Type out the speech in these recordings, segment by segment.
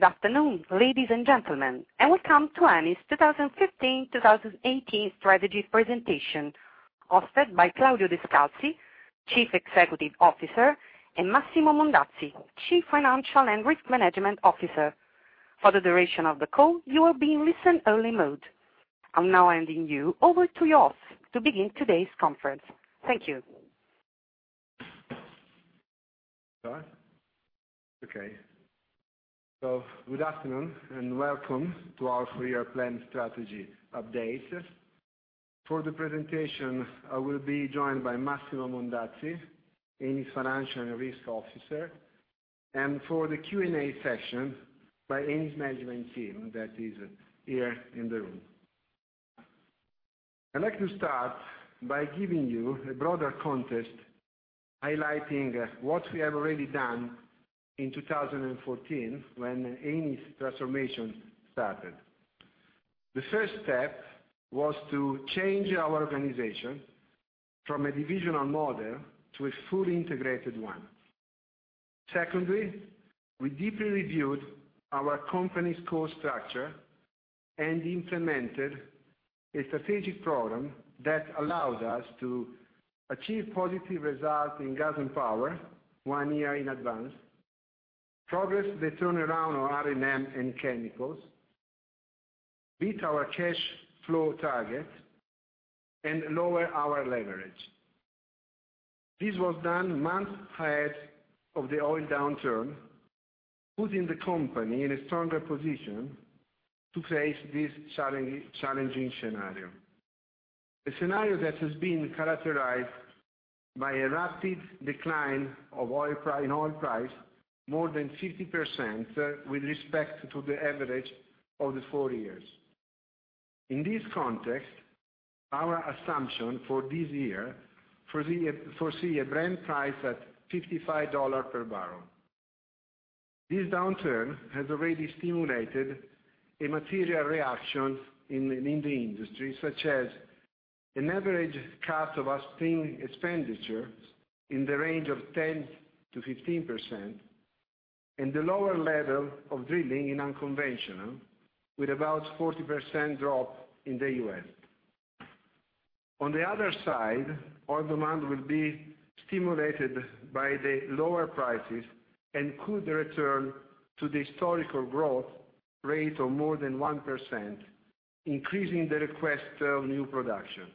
Good afternoon, ladies and gentlemen, and welcome to Eni's 2015-2018 Strategy Presentation, hosted by Claudio Descalzi, Chief Executive Officer, and Massimo Mondazzi, Chief Financial and Risk Management Officer. For the duration of the call, you will be in listen only mode. I'm now handing you over to you off to begin today's conference. Thank you. Good afternoon, and welcome to our three-year plan strategy update. For the presentation, I will be joined by Massimo Mondazzi, Eni's Financial and Risk Officer, and for the Q&A session, by Eni's management team that is here in the room. I'd like to start by giving you a broader context, highlighting what we have already done in 2014, when Eni's transformation started. The first step was to change our organization from a divisional model to a fully integrated one. Secondly, we deeply reviewed our company's core structure and implemented a strategic program that allowed us to achieve positive results in gas and power one year in advance, progress the turnaround on R&M and chemicals, beat our cash flow targets, and lower our leverage. This was done months ahead of the oil downturn, putting the company in a stronger position to face this challenging scenario. A scenario that has been characterized by a rapid decline in oil price more than 50% with respect to the average of the four years. In this context, our assumption for this year foresee a Brent price at $55 per barrel. This downturn has already stimulated a material reaction in the industry, such as an average cut of upstream expenditure in the range of 10%-15% and the lower level of drilling in unconventional, with about 40% drop in the U.S. On the other side, oil demand will be stimulated by the lower prices and could return to the historical growth rate of more than 1%, increasing the request of new production.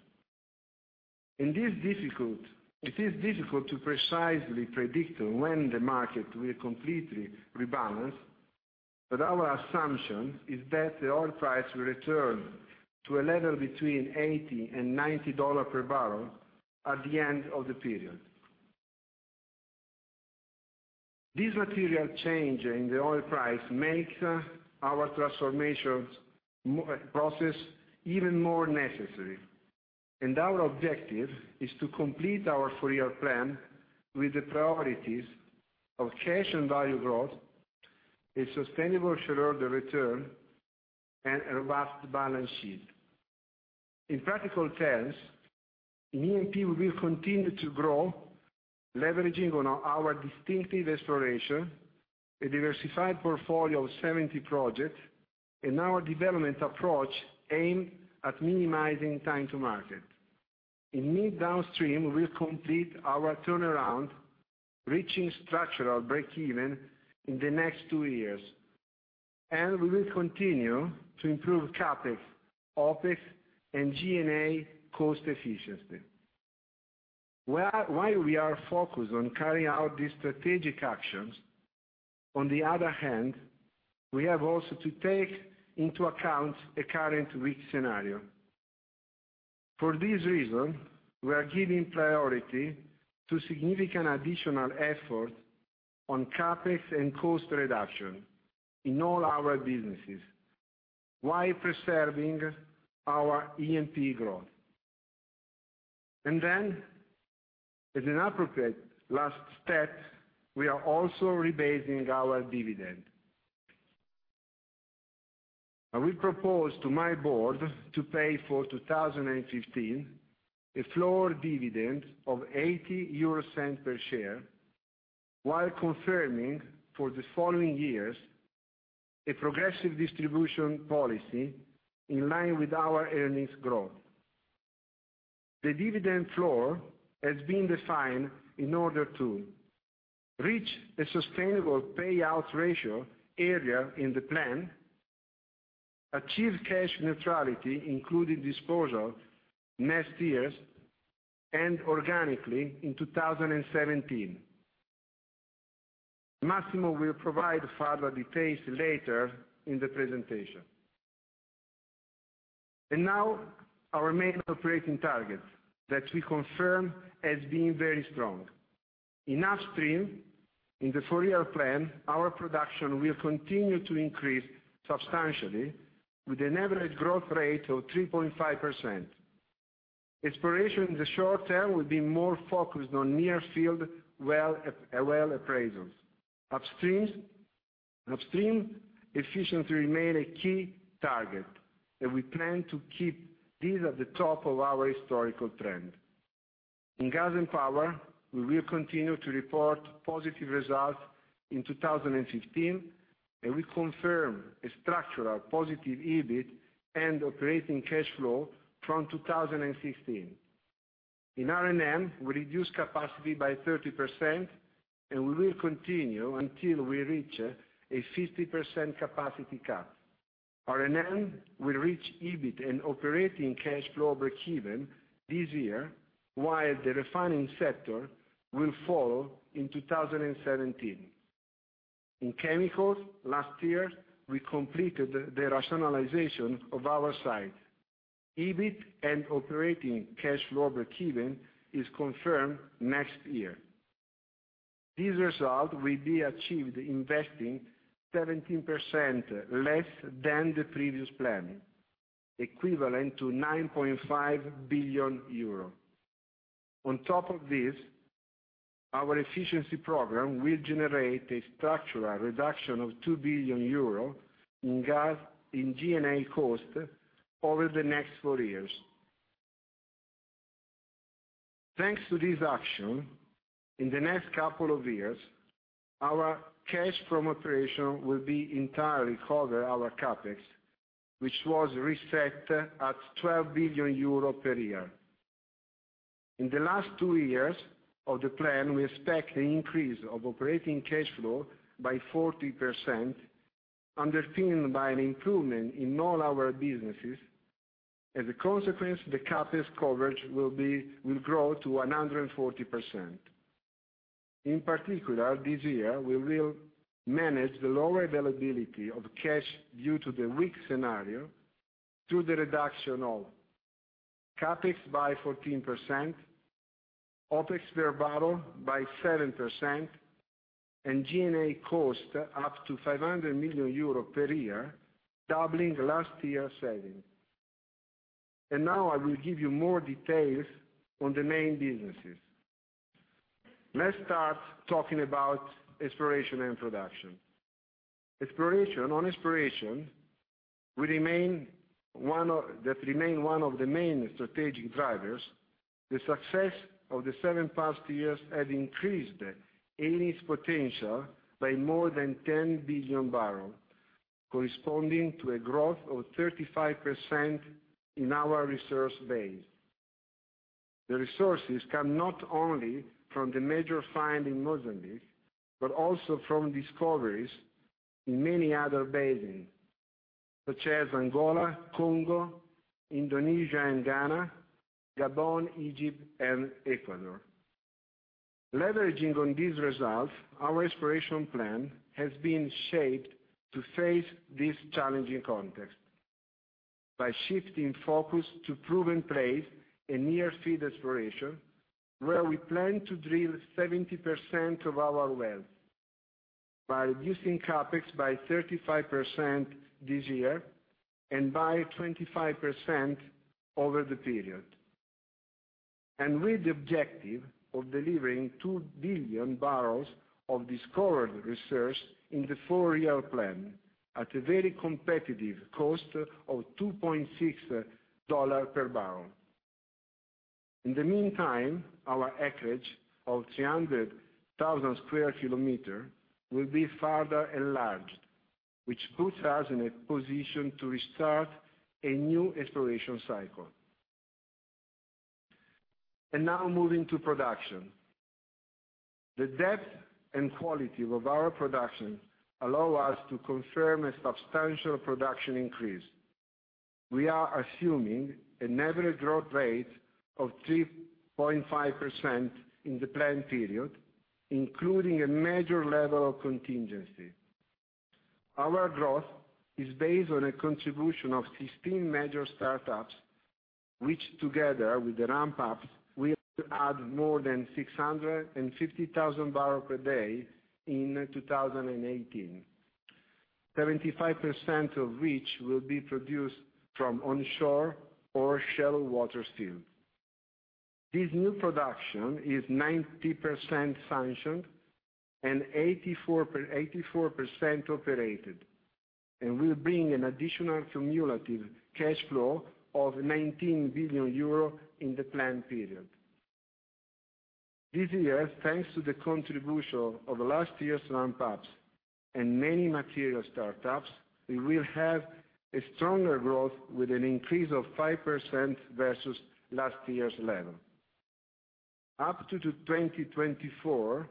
It is difficult to precisely predict when the market will completely rebalance, but our assumption is that the oil price will return to a level between $80 and $90 per barrel at the end of the period. This material change in the oil price makes our transformation process even more necessary, and our objective is to complete our four-year plan with the priorities of cash and value growth, a sustainable shareholder return, and a vast balance sheet. In practical terms, in E&P, we will continue to grow, leveraging on our distinctive exploration, a diversified portfolio of 70 projects, and our development approach aimed at minimizing time to market. In midstream, we will complete our turnaround, reaching structural break-even in the next two years, and we will continue to improve CapEx, OpEx, and G&A cost efficiency. While we are focused on carrying out these strategic actions, on the other hand, we have also to take into account the current weak scenario. For this reason, we are giving priority to significant additional effort on CapEx and cost reduction in all our businesses while preserving our E&P growth. As an appropriate last step, we are also rebasing our dividend. I will propose to my board to pay for 2015 a floor dividend of 0.80 per share while confirming for the following years a progressive distribution policy in line with our earnings growth. The dividend floor has been defined in order to reach a sustainable payout ratio earlier in the plan, achieve cash neutrality, including disposals next year, and organically in 2017. Massimo will provide further details later in the presentation. Our main operating targets that we confirm as being very strong. In upstream, in the four-year plan, our production will continue to increase substantially with an average growth rate of 3.5%. Exploration in the short term will be more focused on near-field well appraisals. Upstream efficiency remains a key target, we plan to keep this at the top of our historical trend. In gas and power, we will continue to report positive results in 2015, we confirm a structural positive EBIT and operating cash flow from 2016. In R&M, we reduced capacity by 30%, we will continue until we reach a 50% capacity cut. R&M will reach EBIT and operating cash flow breakeven this year, while the refining sector will follow in 2017. In chemicals last year, we completed the rationalization of our site. EBIT and operating cash flow breakeven is confirmed next year. This result will be achieved investing 17% less than the previous plan, equivalent to 9.5 billion euro. On top of this, our efficiency program will generate a structural reduction of 2 billion euro in G&A cost over the next four years. Thanks to this action, in the next couple of years, our cash from operation will be entirely cover our CapEx, which was reset at 12 billion euro per year. In the last two years of the plan, we expect an increase of operating cash flow by 40%, underpinned by an improvement in all our businesses. As a consequence, the CapEx coverage will grow to 140%. In particular, this year we will manage the lower availability of cash due to the weak scenario through the reduction of CapEx by 14%, OpEx per barrel by 7%, and G&A cost up to 500 million euro per year, doubling last year's savings. I will give you more details on the main businesses. Let's start talking about exploration and production. On exploration, that remains one of the main strategic drivers, the success of the seven past years has increased Eni's potential by more than 10 billion barrels, corresponding to a growth of 35% in our resource base. The resources come not only from the major find in Mozambique, but also from discoveries in many other basins such as Angola, Congo, Indonesia, Ghana, Gabon, Egypt, and Ecuador. Leveraging on these results, our exploration plan has been shaped to face this challenging context by shifting focus to proven plays in near-field exploration, where we plan to drill 70% of our wells, by reducing CapEx by 35% this year and by 25% over the period. With the objective of delivering 2 billion barrels of discovered reserves in the four-year plan at a very competitive cost of $2.60 per barrel. In the meantime, our acreage of 300,000 square kilometers will be further enlarged, which puts us in a position to restart a new exploration cycle. Now moving to production. The depth and quality of our production allow us to confirm a substantial production increase. We are assuming an average growth rate of 3.5% in the plan period, including a major level of contingency. Our growth is based on a contribution of 16 major startups, which together with the ramp-ups, will add more than 650,000 barrels per day in 2018. 75% of which will be produced from onshore or shallow water field. This new production is 90% sanctioned and 84% operated and will bring an additional cumulative cash flow of 19 billion euro in the plan period. This year, thanks to the contribution of last year's ramp-ups and many material startups, we will have a stronger growth with an increase of 5% versus last year's level. Up to 2024,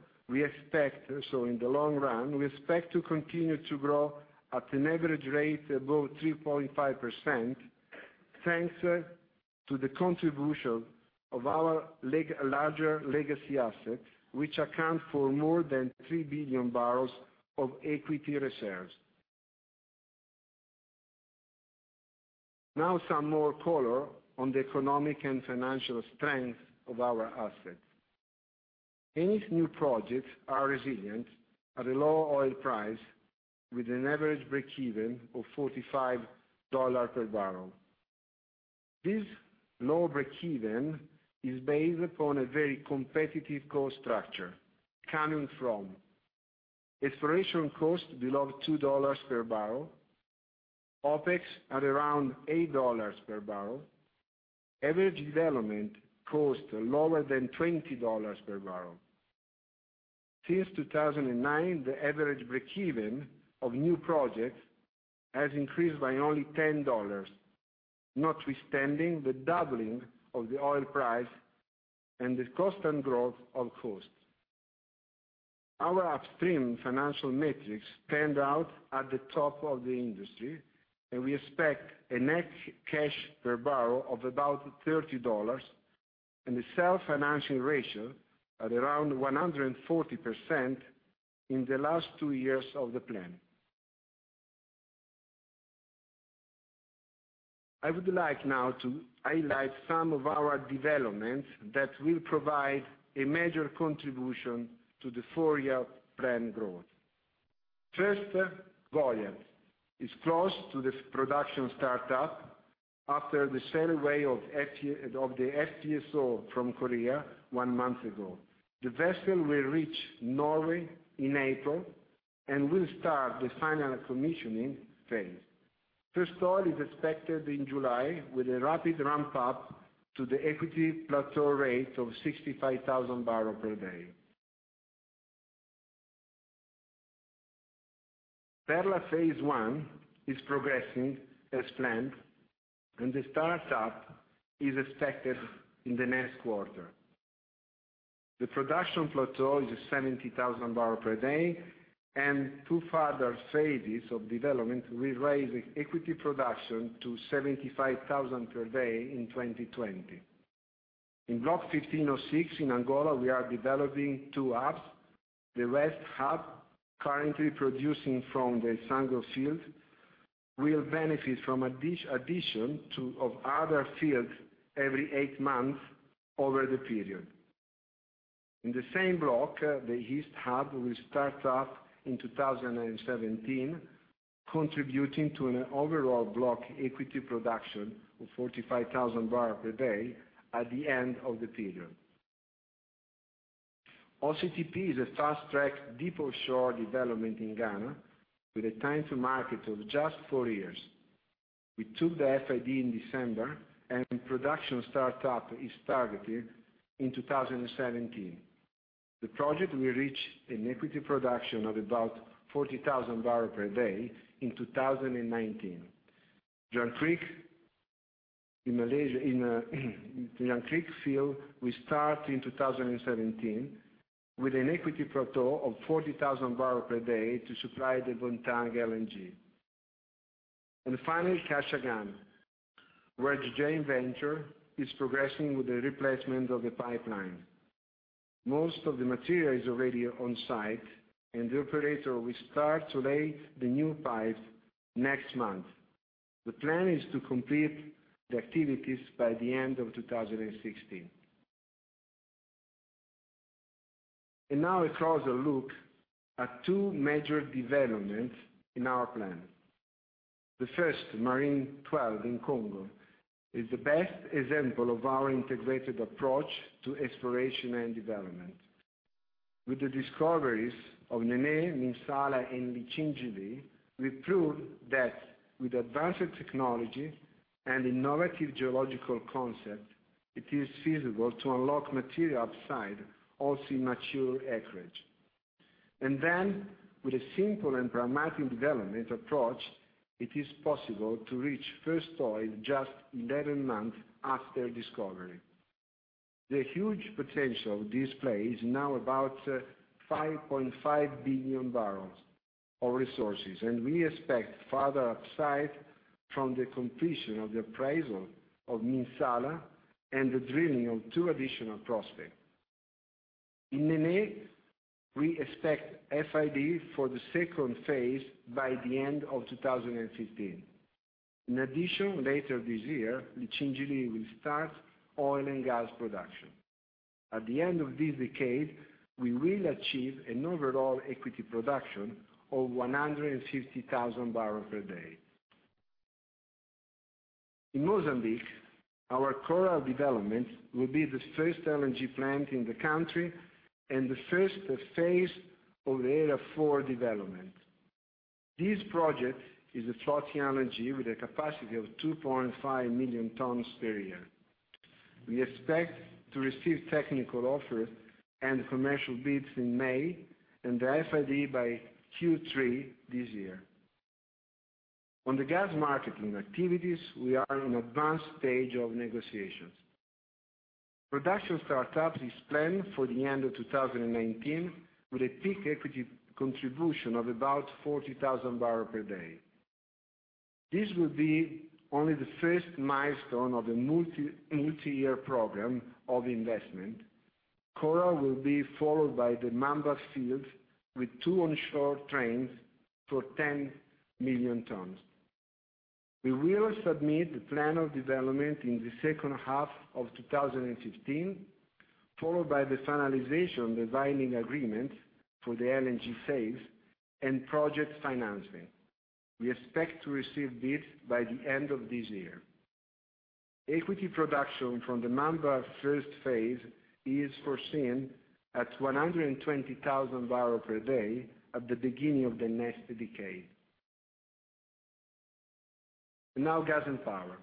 so in the long run, we expect to continue to grow at an average rate above 3.5%, thanks to the contribution of our larger legacy assets, which account for more than 3 billion barrels of equity reserves. Now some more color on the economic and financial strength of our assets. Eni's new projects are resilient at a low oil price with an average breakeven of $45 per barrel. This low breakeven is based upon a very competitive cost structure coming from exploration cost below $2 per barrel. OpEx at around $8 per barrel. Average development cost lower than $20 per barrel. Since 2009, the average breakeven of new projects has increased by only $10, notwithstanding the doubling of the oil price and the cost and growth of costs. Our upstream financial metrics panned out at the top of the industry. We expect a net cash per barrel of about $30 and a self-financing ratio at around 140% in the last two years of the plan. I would like now to highlight some of our developments that will provide a major contribution to the four-year plan growth. First, Goliat. It's close to the production startup after the sail away of the FPSO from Korea one month ago. The vessel will reach Norway in April, and will start the final commissioning phase. First oil is expected in July with a rapid ramp-up to the equity plateau rate of 65,000 barrels per day. Perla Phase 1 is progressing as planned, and the startup is expected in the next quarter. The production plateau is 70,000 barrels per day, and two further phases of development will raise the equity production to 75,000 barrels per day in 2020. In Block 1506 in Angola, we are developing two hubs. The West Hub, currently producing from the Sangos field, will benefit from addition of other fields every eight months over the period. In the same block, the East Hub will start up in 2017, contributing to an overall block equity production of 45,000 barrels per day at the end of the period. OCTP is a fast-track deep offshore development in Ghana with a time to market of just four years. We took the FID in December, and production startup is targeted in 2017. The project will reach an equity production of about 40,000 barrels per day in 2019. Jangkrik field will start in 2017 with an equity plateau of 40,000 barrels per day to supply the Bontang LNG. Finally, Kashagan. Where the joint venture is progressing with the replacement of the pipeline. Most of the material is already on-site, and the operator will start to lay the new pipe next month. The plan is to complete the activities by the end of 2016. Now a closer look at two major developments in our plan. The first, Marine XII in Congo, is the best example of our integrated approach to exploration and development. With the discoveries of Nené, Minsala, and Litchendjili, we proved that with advanced technology and innovative geological concept, it is feasible to unlock material upside also in mature acreage. Then, with a simple and pragmatic development approach, it is possible to reach first oil just 11 months after discovery. The huge potential of this play is now about 5.5 billion barrels of resources, and we expect further upside from the completion of the appraisal of Minsala and the drilling of two additional prospects. In Nené, we expect FID for the second phase by the end of 2016. In addition, later this year, Litchendjili will start oil and gas production. At the end of this decade, we will achieve an overall equity production of 150,000 barrels per day. In Mozambique, our Coral development will be the first LNG plant in the country and the first phase of Area 4 development. This project is a floating LNG with a capacity of 2.5 million tons per year. We expect to receive technical offers and commercial bids in May, and the FID by Q3 this year. On the gas marketing activities, we are in advanced stage of negotiations. Production startup is planned for the end of 2019, with a peak equity contribution of about 40,000 barrels per day. This will be only the first milestone of the multi-year program of investment. Coral will be followed by the Mamba field with two onshore trains for 10 million tons. We will submit the plan of development in the second half of 2016, followed by the finalization of the binding agreement for the LNG sales and project financing. We expect to receive bids by the end of this year. Equity production from the Mamba first phase is foreseen at 120,000 barrels per day at the beginning of the next decade. Now, gas and power.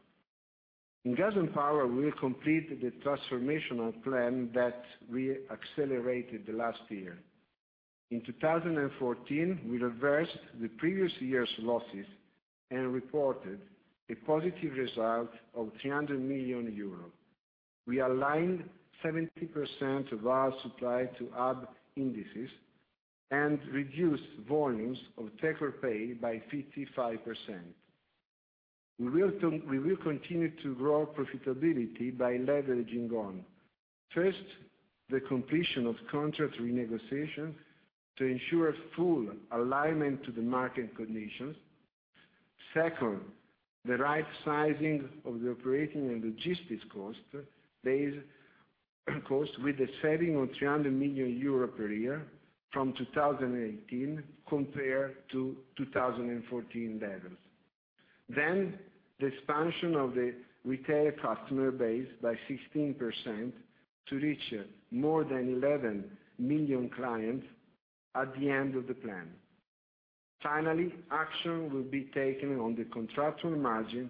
In gas and power, we will complete the transformational plan that we accelerated the last year. In 2014, we reversed the previous year's losses and reported a positive result of 300 million euros. We aligned 70% of our supply to hub indices and reduced volumes of take-or-pay by 55%. We will continue to grow profitability by leveraging on, first, the completion of contract renegotiation to ensure full alignment to the market conditions. Second, the right sizing of the operating and logistics cost, with a saving of 300 million euro per year from 2018 compared to 2014 levels. The expansion of the retail customer base by 16% to reach more than 11 million clients at the end of the plan. Finally, action will be taken on the contractual margin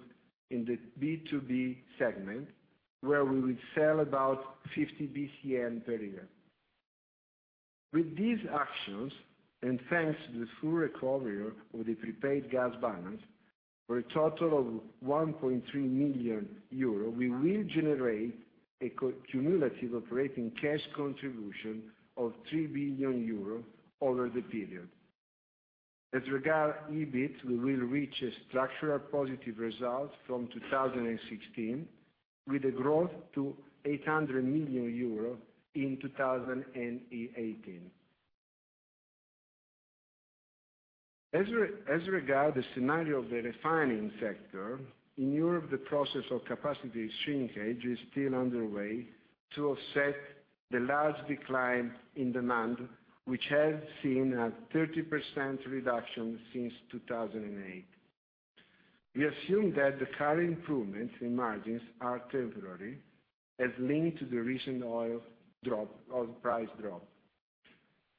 in the B2B segment, where we will sell about 50 BCM per year. With these actions, thanks to the full recovery of the prepaid gas balance, for a total of 1.3 billion euro, we will generate a cumulative operating cash contribution of 3 billion euro over the period. As regards EBIT, we will reach a structural positive result from 2016, with a growth to 800 million euros in 2018. As regards the scenario of the refining sector, in Europe, the process of capacity shrinkage is still underway to offset the large decline in demand, which has seen a 30% reduction since 2008. We assume that the current improvements in margins are temporary, as linked to the recent oil price drop.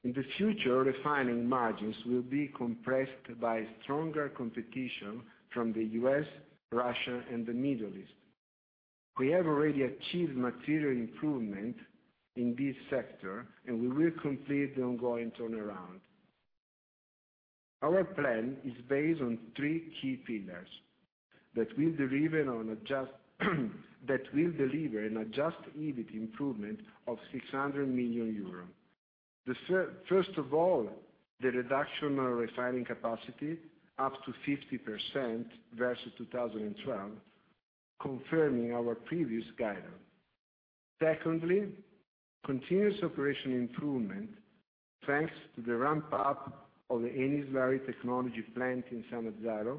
In the future, refining margins will be compressed by stronger competition from the U.S., Russia, and the Middle East. We have already achieved material improvement in this sector, and we will complete the ongoing turnaround. Our plan is based on three key pillars that will deliver an adjusted EBIT improvement of 600 million euros. First of all, the reduction of refining capacity up to 50% versus 2012, confirming our previous guidance. Secondly, continuous operational improvement, thanks to the ramp-up of the Eni Slurry Technology plant in Sannazzaro,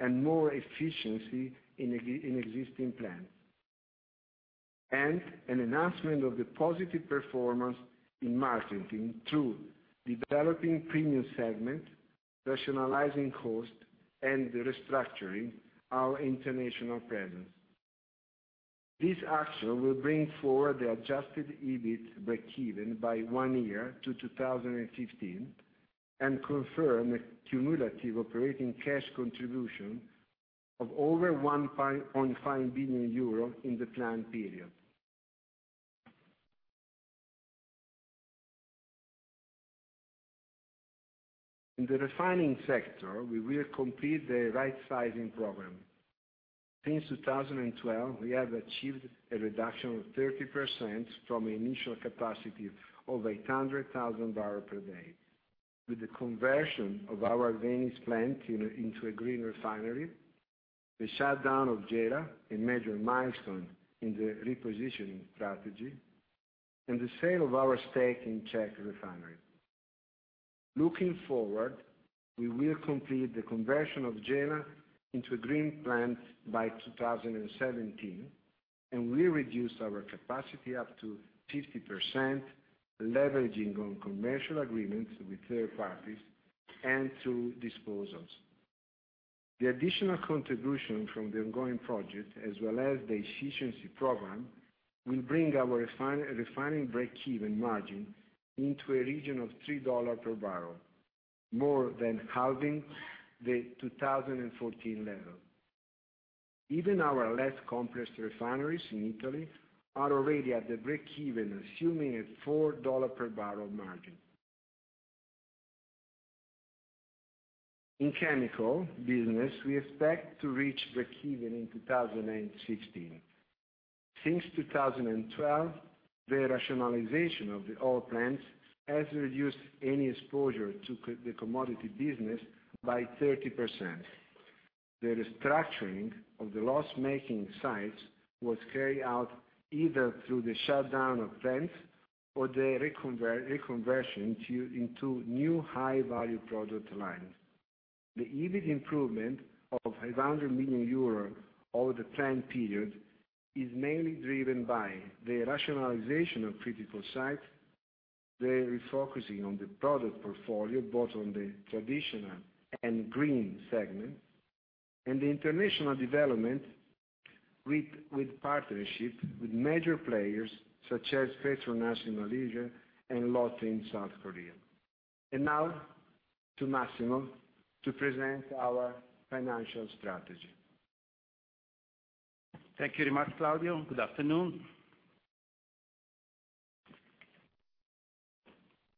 and more efficiency in existing plants. An enhancement of the positive performance in marketing through developing premium segment, rationalizing cost, and restructuring our international presence. This action will bring forward the adjusted EBIT breakeven by one year to 2015 and confirm a cumulative operating cash contribution of over 1.5 billion euros in the plan period. In the refining sector, we will complete the right-sizing program. Since 2012, we have achieved a reduction of 30% from an initial capacity of 800,000 barrels per day. With the conversion of our Venice plant into a green refinery, the shutdown of Gela, a major milestone in the repositioning strategy, and the sale of our stake in Česká rafinérská. Looking forward, we will complete the conversion of Gela into a green plant by 2017, and will reduce our capacity up to 50%, leveraging on commercial agreements with third parties and through disposals. The additional contribution from the ongoing project as well as the efficiency program, will bring our refining breakeven margin into a region of $3 per barrel, more than halving the 2014 level. Even our less complex refineries in Italy are already at the breakeven, assuming a $4 per barrel margin. In chemical business, we expect to reach breakeven in 2016. Since 2012, the rationalization of the oil plants has reduced Eni exposure to the commodity business by 30%. The restructuring of the loss-making sites was carried out either through the shutdown of plants or the reconversion into new high-value product lines. The EBIT improvement of 500 million euros over the plan period is mainly driven by the rationalization of critical sites. The refocusing on the product portfolio, both on the traditional and green segment, and the international development with partnership with major players such as PETRONAS in Malaysia and Lotte in South Korea. Now to Massimo to present our financial strategy. Thank you very much, Claudio. Good afternoon.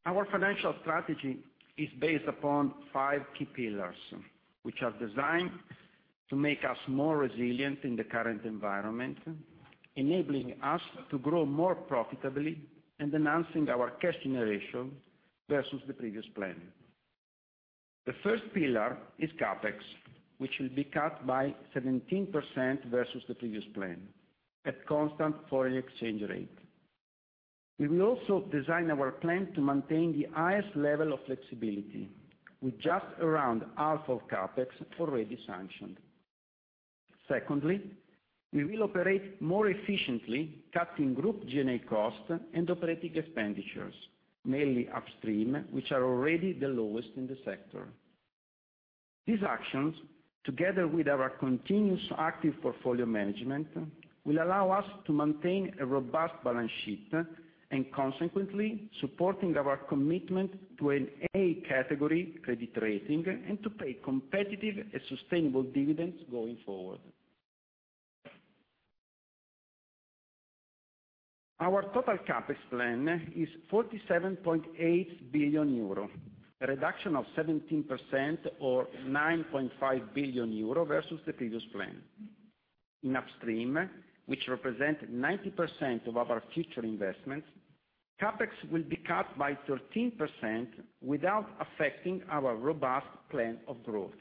Our financial strategy is based upon five key pillars, which are designed to make us more resilient in the current environment, enabling us to grow more profitably and enhancing our cash generation versus the previous plan. The first pillar is CapEx, which will be cut by 17% versus the previous plan, at constant foreign exchange rate. We will also design our plan to maintain the highest level of flexibility, with just around half of CapEx already sanctioned. We will operate more efficiently, cutting group G&A cost and operating expenditures, mainly upstream, which are already the lowest in the sector. These actions, together with our continuous active portfolio management, will allow us to maintain a robust balance sheet, consequently, supporting our commitment to an A category credit rating and to pay competitive and sustainable dividends going forward. Our total CapEx plan is 47.8 billion euro, a reduction of 17% or 9.5 billion euro versus the previous plan. In upstream, which represent 90% of our future investments, CapEx will be cut by 13% without affecting our robust plan of growth.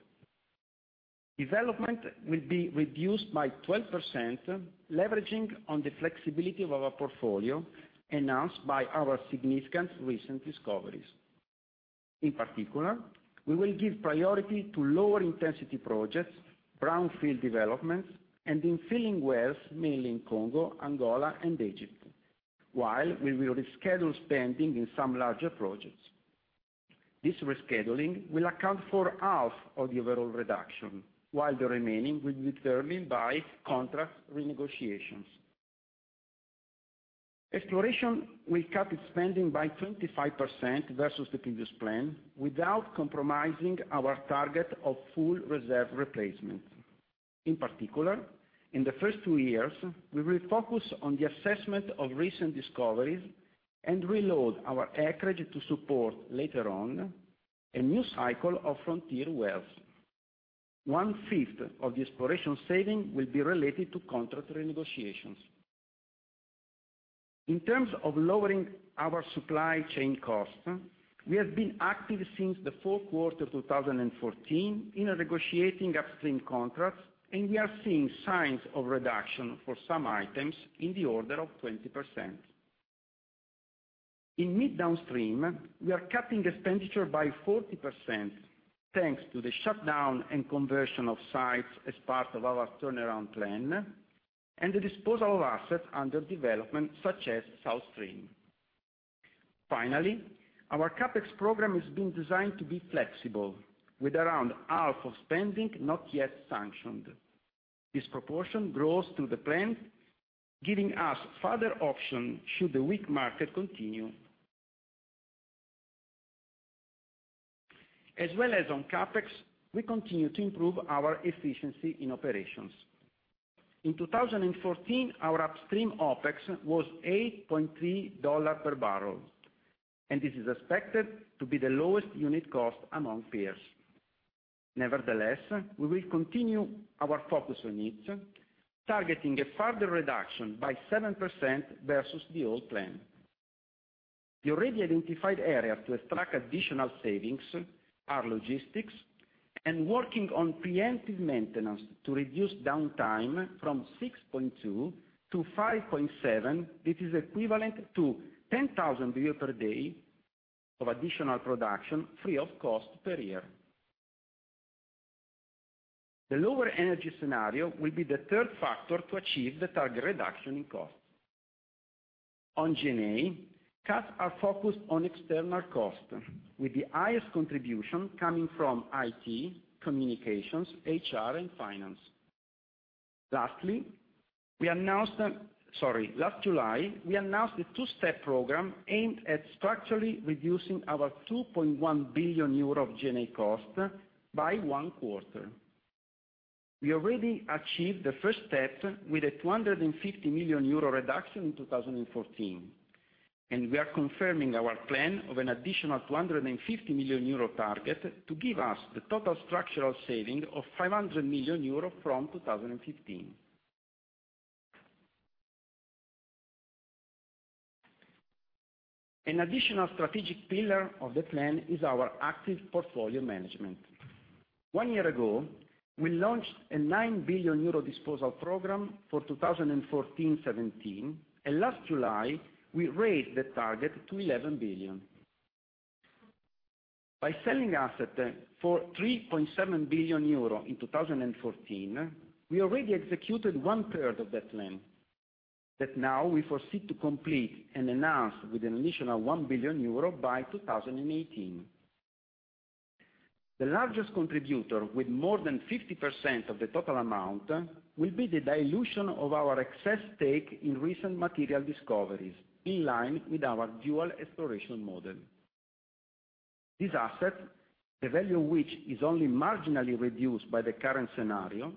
Development will be reduced by 12%, leveraging on the flexibility of our portfolio enhanced by our significant recent discoveries. In particular, we will give priority to lower intensity projects, brownfield developments, and infilling wells, mainly in Congo, Angola, and Egypt. We will reschedule spending in some larger projects. This rescheduling will account for half of the overall reduction, while the remaining will be determined by contract renegotiations. Exploration will cut spending by 25% versus the previous plan, without compromising our target of full reserve replacement. In particular, in the first two years, we will focus on the assessment of recent discoveries and reload our acreage to support later on a new cycle of frontier wells. One-fifth of the exploration saving will be related to contract renegotiations. In terms of lowering our supply chain costs, we have been active since the fourth quarter 2014 in negotiating upstream contracts, we are seeing signs of reduction for some items in the order of 20%. In midstream, we are cutting expenditure by 40%, thanks to the shutdown and conversion of sites as part of our turnaround plan and the disposal of assets under development such as South Stream. Our CapEx program is being designed to be flexible, with around half of spending not yet sanctioned. This proportion grows through the plan, giving us further option should the weak market continue. As well as on CapEx, we continue to improve our efficiency in operations. In 2014, our upstream OpEx was $8.3 per barrel, this is expected to be the lowest unit cost among peers. We will continue our focus on it, targeting a further reduction by 7% versus the old plan. The already identified area to extract additional savings are logistics and working on preemptive maintenance to reduce downtime from 6.2 to 5.7. This is equivalent to 10,000 barrel per day of additional production free of cost per year. The lower energy scenario will be the third factor to achieve the target reduction in costs. On G&A, cuts are focused on external costs, with the highest contribution coming from IT, communications, HR, and finance. Last July, we announced a two-step program aimed at structurally reducing our 2.1 billion euro of G&A costs by one quarter. We already achieved the first step with a 250 million euro reduction in 2014. We are confirming our plan of an additional 250 million euro target to give us the total structural saving of 500 million euro from 2015. An additional strategic pillar of the plan is our active portfolio management. One year ago, we launched a 9 billion euro disposal program for 2014-17. Last July, we raised the target to 11 billion. By selling asset for 3.7 billion euro in 2014, we already executed one third of that plan. Now we foresee to complete and enhance with an additional 1 billion euro by 2018. The largest contributor with more than 50% of the total amount will be the dilution of our excess stake in recent material discoveries, in line with our dual exploration model. These assets, the value which is only marginally reduced by the current scenario,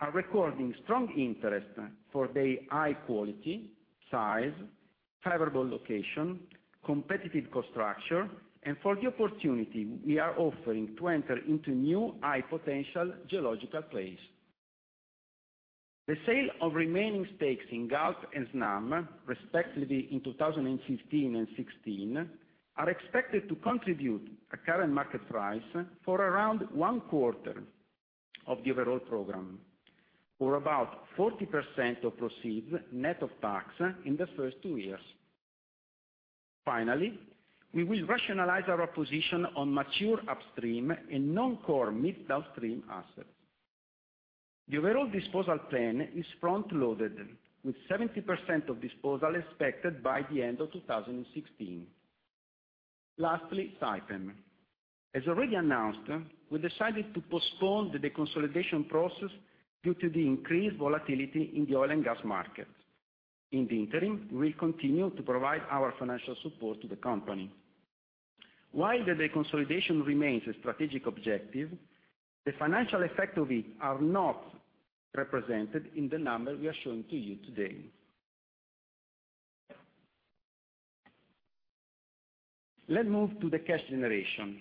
are recording strong interest for their high quality, size, favorable location, competitive cost structure, and for the opportunity we are offering to enter into new high-potential geological plays. The sale of remaining stakes in Galp and Snam, respectively in 2015 and 2016, are expected to contribute a current market price for around one quarter of the overall program, or about 40% of proceeds net of tax in the first two years. Finally, we will rationalize our position on mature upstream and non-core midstream assets. The overall disposal plan is front-loaded, with 70% of disposal expected by the end of 2016. Lastly, Saipem. As already announced, we decided to postpone the deconsolidation process due to the increased volatility in the oil and gas market. In the interim, we'll continue to provide our financial support to the company. While the deconsolidation remains a strategic objective, the financial effect of it are not represented in the numbers we are showing to you today. Let's move to the cash generation.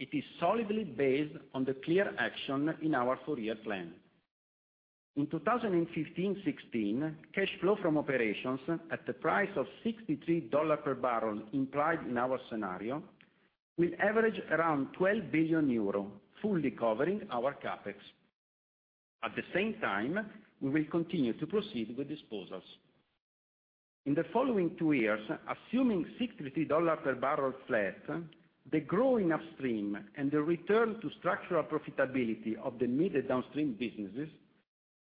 It is solidly based on the clear action in our four-year plan. In 2015-2016, cash flow from operations at the price of $63 per barrel implied in our scenario, will average around 12 billion euro, fully covering our CapEx. At the same time, we will continue to proceed with disposals. In the following two years, assuming $63 per barrel flat, the growth in upstream and the return to structural profitability of the mid- and downstream businesses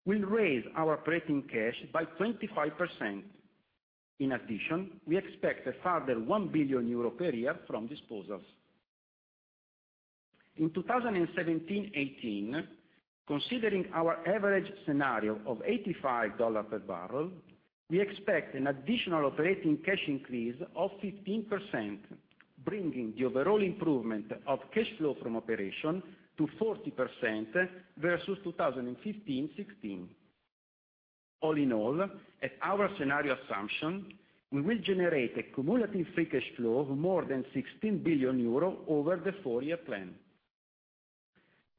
will raise our operating cash by 25%. In addition, we expect a further 1 billion euro per year from disposals. In 2017-2018, considering our average scenario of $85 per barrel, we expect an additional operating cash increase of 15%, bringing the overall improvement of cash flow from operation to 40% versus 2015-2016. All in all, at our scenario assumption, we will generate a cumulative free cash flow of more than 16 billion euro over the four-year plan.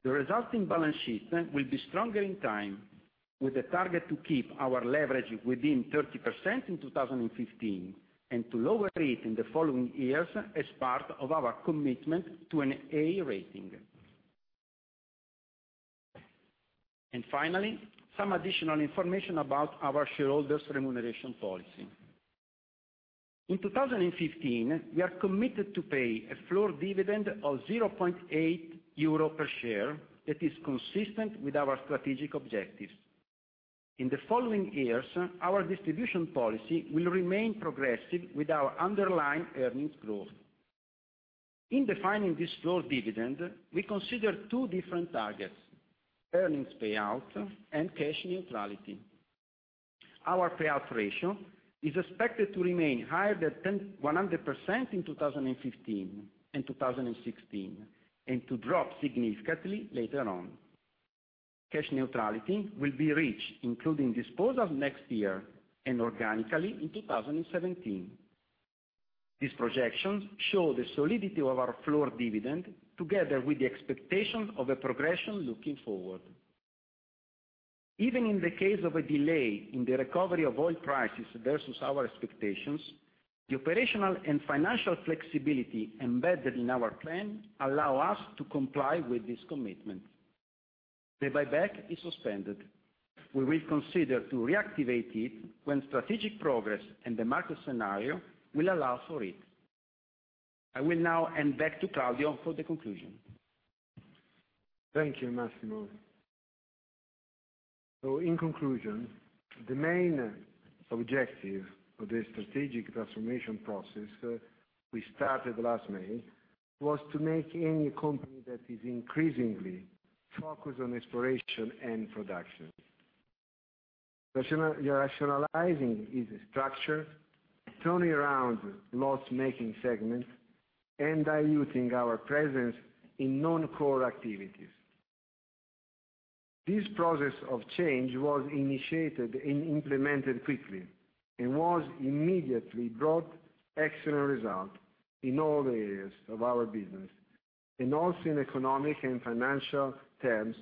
The resulting balance sheet will be stronger in time, with a target to keep our leverage within 30% in 2015, and to lower it in the following years as part of our commitment to an A rating. Finally, some additional information about our shareholders' remuneration policy. In 2015, we are committed to pay a floor dividend of 0.8 euro per share that is consistent with our strategic objectives. In the following years, our distribution policy will remain progressive with our underlying earnings growth. In defining this floor dividend, we consider two different targets, earnings payout and cash neutrality. Our payout ratio is expected to remain higher than 100% in 2015 and 2016, and to drop significantly later on. Cash neutrality will be reached, including disposals next year, and organically in 2017. These projections show the solidity of our floor dividend together with the expectation of a progression looking forward. Even in the case of a delay in the recovery of oil prices versus our expectations, the operational and financial flexibility embedded in our plan allow us to comply with this commitment. The buyback is suspended. We will consider to reactivate it when strategic progress and the market scenario will allow for it. I will now hand back to Claudio for the conclusion. Thank you, Massimo. In conclusion, the main objective of the strategic transformation process we started last May, was to make Eni a company that is increasingly focused on exploration and production. Rationalizing its structure, turning around loss-making segments, and diluting our presence in non-core activities. This process of change was initiated and implemented quickly, and was immediately brought excellent result in all areas of our business, and also in economic and financial terms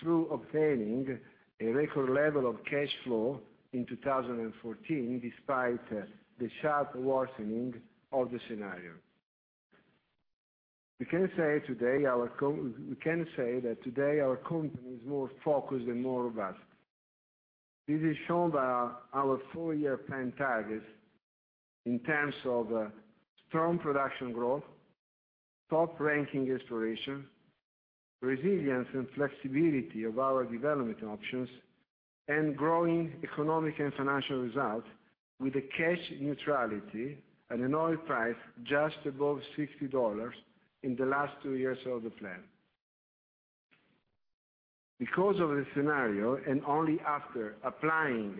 through obtaining a record level of cash flow in 2014, despite the sharp worsening of the scenario. We can say that today our company is more focused and more robust. This is shown by our four-year plan targets in terms of strong production growth, top-ranking exploration, resilience and flexibility of our development options, and growing economic and financial results with a cash neutrality at an oil price just above $60 in the last two years of the plan. Because of the scenario, and only after applying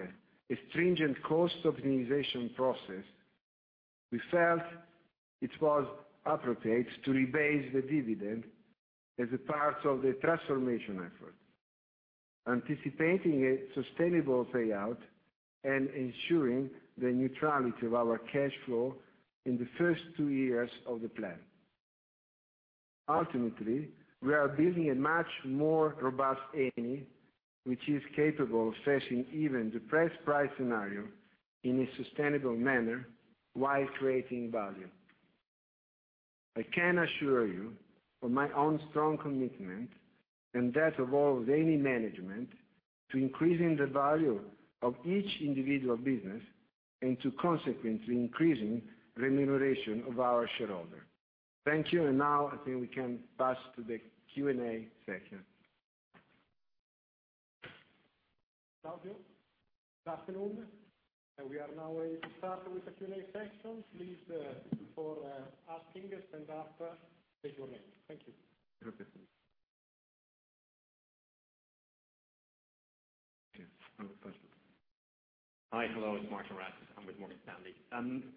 a stringent cost optimization process, we felt it was appropriate to rebase the dividend as a part of the transformation effort, anticipating a sustainable payout and ensuring the neutrality of our cash flow in the first two years of the plan. Ultimately, we are building a much more robust Eni which is capable of facing even the depressed price scenario in a sustainable manner, while creating value. I can assure you of my own strong commitment, and that of all of Eni management, to increasing the value of each individual business and to consequently increasing remuneration of our shareholders. Thank you. Now I think we can pass to the Q&A section. Claudio. Good afternoon. We are now ready to start with the Q&A session. Please, before asking, stand up, state your name. Thank you. Okay. Okay, I will start. Hi, hello, it's Martijn Rats. I'm with Morgan Stanley.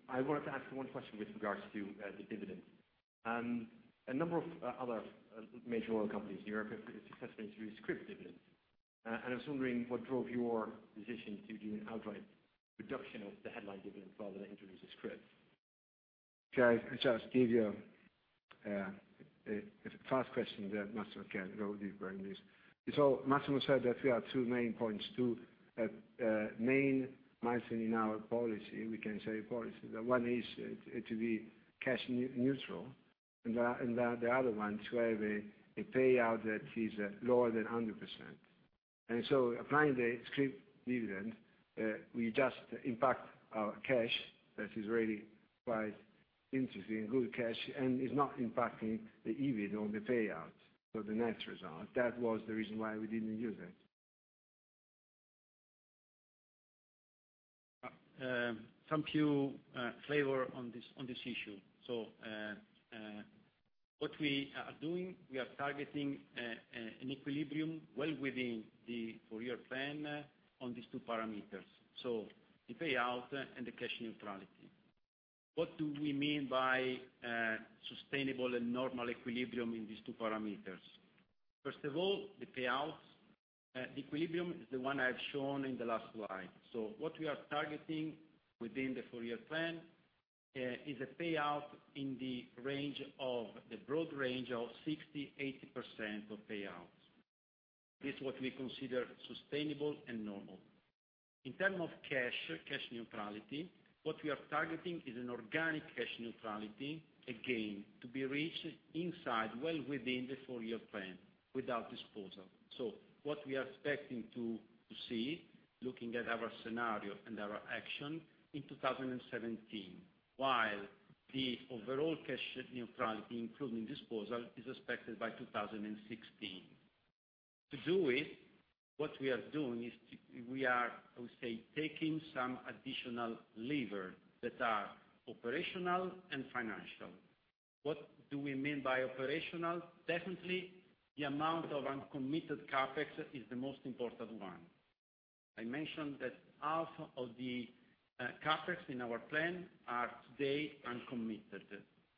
I wanted to ask one question with regards to the dividend. A number of other major oil companies in Europe have successfully introduced scrip dividends. I was wondering what drove your decision to do an outright reduction of the headline dividend rather than introduce a scrip? Okay. I just give you a fast question that Massimo can go deep during this. Massimo said that we have two main points, two main milestone in our policy, we can say policy. The one is to be cash neutral, and the other one to have a payout that is lower than 100%. Applying the scrip dividend, we just impact our cash, that is really quite interesting, good cash, and is not impacting the EBIT on the payout, so the net result. That was the reason why we didn't use it. What we are doing, we are targeting an equilibrium well within the four-year plan on these two parameters, the payout and the cash neutrality. What do we mean by sustainable and normal equilibrium in these two parameters? First of all, the payouts at equilibrium is the one I've shown in the last slide. What we are targeting within the four-year plan is a payout in the broad range of 60%-80% of payouts. This is what we consider sustainable and normal. In term of cash neutrality, what we are targeting is an organic cash neutrality, again, to be reached inside well within the four-year plan, without disposal. What we are expecting to see, looking at our scenario and our action, in 2017, while the overall cash neutrality, including disposal, is expected by 2016. To do it, what we are doing is we are, I would say, taking some additional lever that are operational and financial. What do we mean by operational? Definitely, the amount of uncommitted CapEx is the most important one. I mentioned that half of the CapEx in our plan are today uncommitted,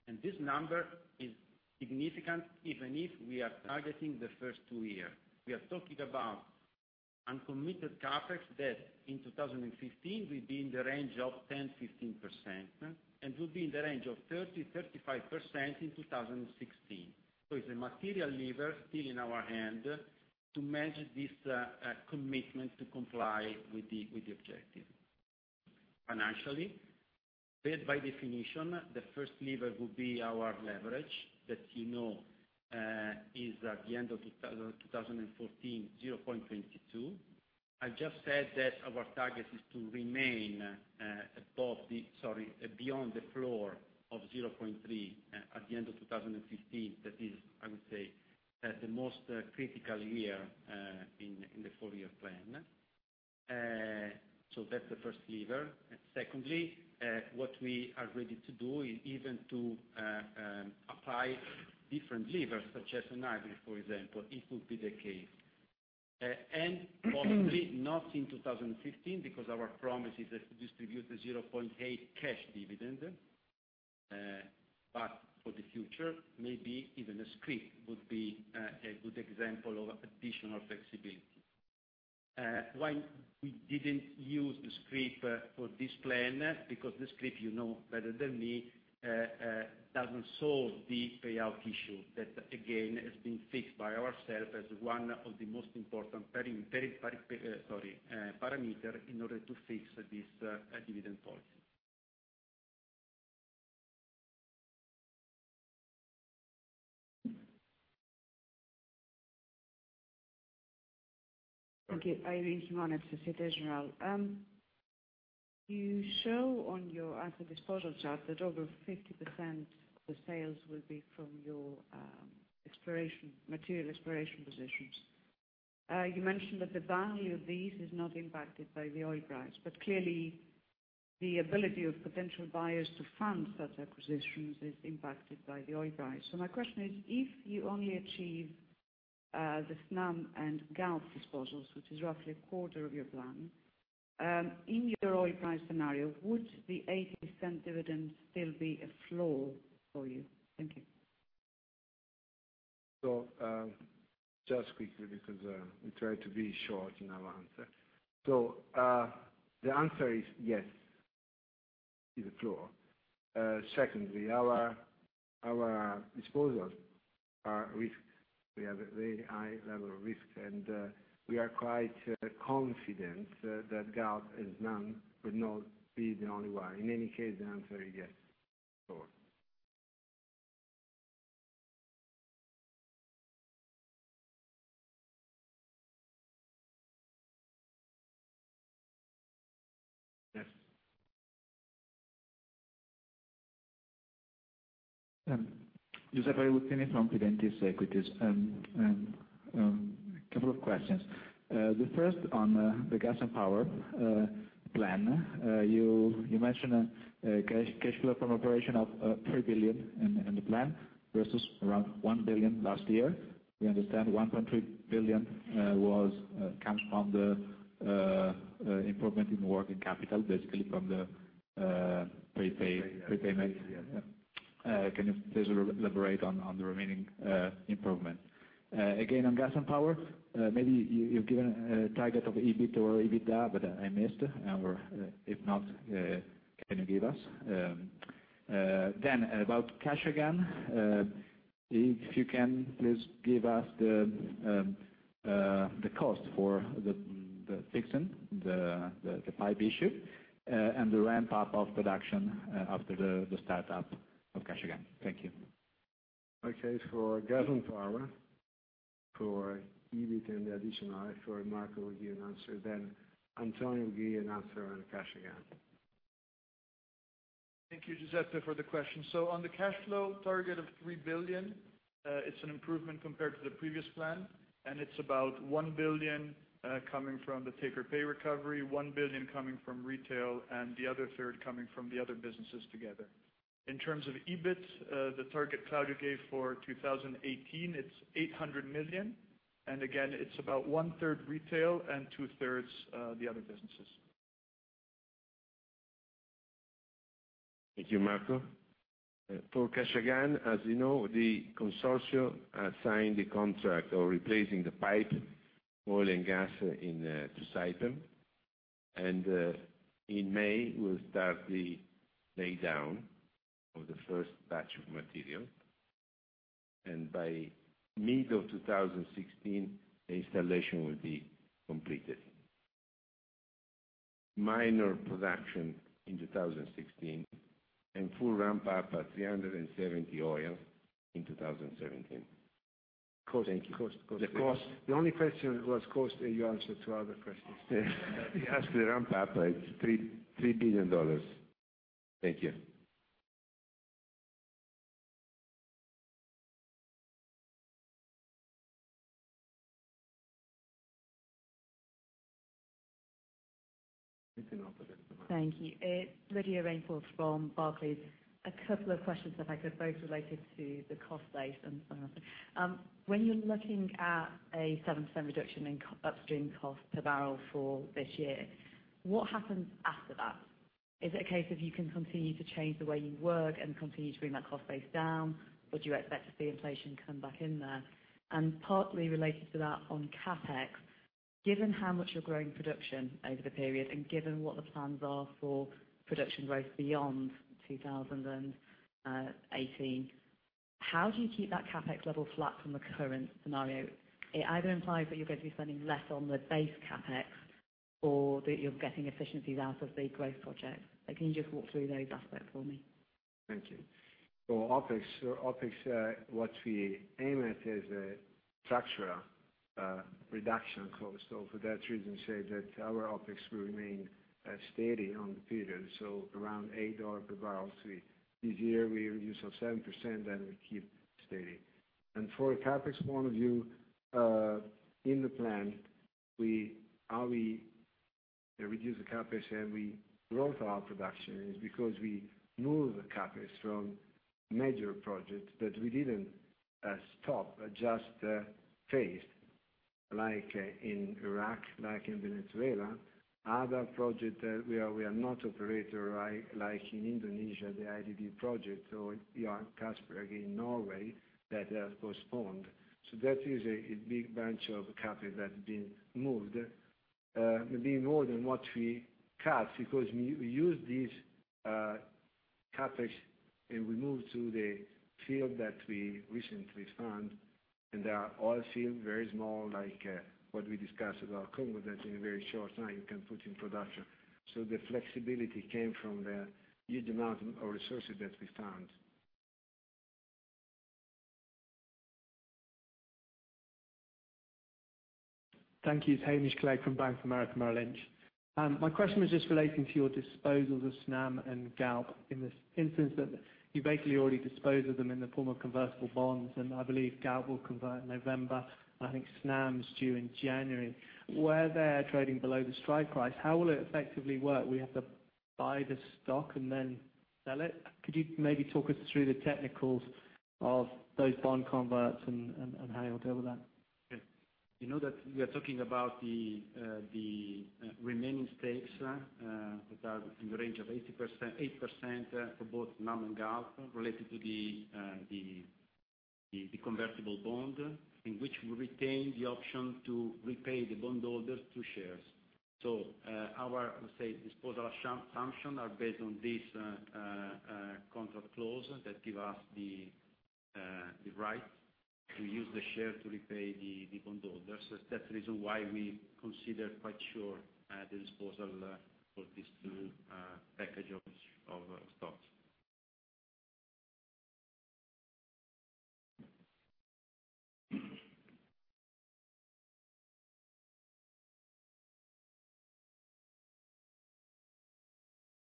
and this number is significant, even if we are targeting the first two year. We are talking about uncommitted CapEx that, in 2015, will be in the range of 10%-15%, and will be in the range of 30%-35% in 2016. It's a material lever still in our hand to manage this commitment to comply with the objective. Financially, debt by definition, the first lever will be our leverage, that you know is, at the end of 2014, 0.22. I've just said that our target is to remain above the, sorry, beyond the floor of 0.3 at the end of 2015. That is, I would say, the most critical year in the four-year plan. That's the first lever. Secondly, what we are ready to do, even to apply different levers, such as an hybrid, for example, if would be the case. Possibly not in 2015, because our promise is just to distribute the 0.8 cash dividend, but for the future, maybe even a scrip would be a good example of additional flexibility. Why we didn't use the scrip for this plan? The scrip, you know better than me, doesn't solve the payout issue. That, again, has been fixed by ourself as one of the most important parameter in order to fix this dividend policy. Thank you. Irene Himona, Société Générale. You show on your asset disposal chart that over 50% of the sales will be from your material exploration positions. You mentioned that the value of these is not impacted by the oil price, but clearly, the ability of potential buyers to fund such acquisitions is impacted by the oil price. My question is, if you only achieve the Snam and Galp disposals, which is roughly a quarter of your plan, in your oil price scenario, would the 80% dividend still be a floor for you? Thank you. Just quickly, because we try to be short in our answer. The answer is yes, it is a floor. Secondly, our disposals are risks. We have a very high level of risk, and we are quite confident that Galp and Snam would not be the only one. In any case, the answer is yes. Floor. Yes. Giuseppe Lutini from Credendus Equities. A couple of questions. The first on the gas and power plan. You mentioned a cash flow from operation of 3 billion in the plan, versus around 1 billion last year. We understand 1.3 billion comes from the improvement in working capital, basically from the prepayments. Prepayments, yes. Can you please elaborate on the remaining improvement? Again, on gas and power, maybe you've given a target of EBIT or EBITDA, but I missed. Or if not, can you give us? About Kashagan, if you can please give us the cost for the fixing the pipe issue, and the ramp-up of production after the start-up of Kashagan. Thank you. Okay. For gas and power, for EBIT and the additional, I feel Marco will give an answer. Antonio will give you an answer on Kashagan. Thank you, Giuseppe, for the question. On the cash flow target of 3 billion, it's an improvement compared to the previous plan, it's about 1 billion coming from the take-or-pay recovery, 1 billion coming from retail, and the other third coming from the other businesses together. In terms of EBIT, the target Claudio gave for 2018, it's 800 million, again, it's about one-third retail and two-thirds the other businesses. Thank you, Marco. For Kashagan, as you know, the consortia signed the contract for replacing the pipe, oil and gas to Saipem. In May, we'll start the laydown of the first batch of material, by mid of 2016, the installation will be completed. Minor production in 2016 and full ramp-up at 370 oil in 2017. Cost? The cost- The only question was cost, and you answered two other questions. You asked the ramp-up. It's EUR 3 billion. Thank you. You can open it now. Thank you. It's Lydia Rainforth from Barclays. A couple of questions if I could, both related to the cost base and some others. When you're looking at a 7% reduction in upstream cost per barrel for this year, what happens after that? Is it a case of you can continue to change the way you work and continue to bring that cost base down, or do you expect to see inflation come back in there? Partly related to that, on CapEx, given how much you're growing production over the period, and given what the plans are for production growth beyond 2018, how do you keep that CapEx level flat from the current scenario? It either implies that you're going to be spending less on the base CapEx or that you're getting efficiencies out of the growth project. Can you just walk through those aspects for me? Thank you. OpEx, what we aim at is a structural reduction in cost. For that reason, say that our OpEx will remain steady on the period. Around EUR 8 per barrel. This year, we reduce of 7%, then we keep steady. For CapEx point of view, in the plan, how we reduce the CapEx and we grow our production is because we move the CapEx from major projects that we didn't stop, but just phased. Like in Iraq, like in Venezuela. Other projects where we are not operator, like in Indonesia, the IDP project, or Johan Castberg in Norway that has postponed. That is a big bunch of CapEx that's been moved, maybe more than what we cut because we used this CapEx, and we moved to the field that we recently found, and they are oil fields, very small, like what we discussed about Congo, that in a very short time can put in production. The flexibility came from the huge amount of resources that we found. Thank you. It's Hamish Clegg from Bank of America Merrill Lynch. My question was just relating to your disposals of Snam and Galp. In this instance, you basically already disposed of them in the form of convertible bonds, and I believe Galp will convert in November, and I think Snam is due in January. Where they're trading below the strike price, how will it effectively work? We have to buy the stock and then sell it? Could you maybe talk us through the technicals of those bond converts and how you'll deal with that? Okay. You know that we are talking about the remaining stakes that are in the range of 8% for both Snam and Galp, related to the convertible bond, in which we retain the option to repay the bondholder to shares. Our disposal assumptions are based on this contract clause that gives us the right to use the share to repay the bondholders. That's the reason why we consider quite sure the disposal for these two packages of stocks.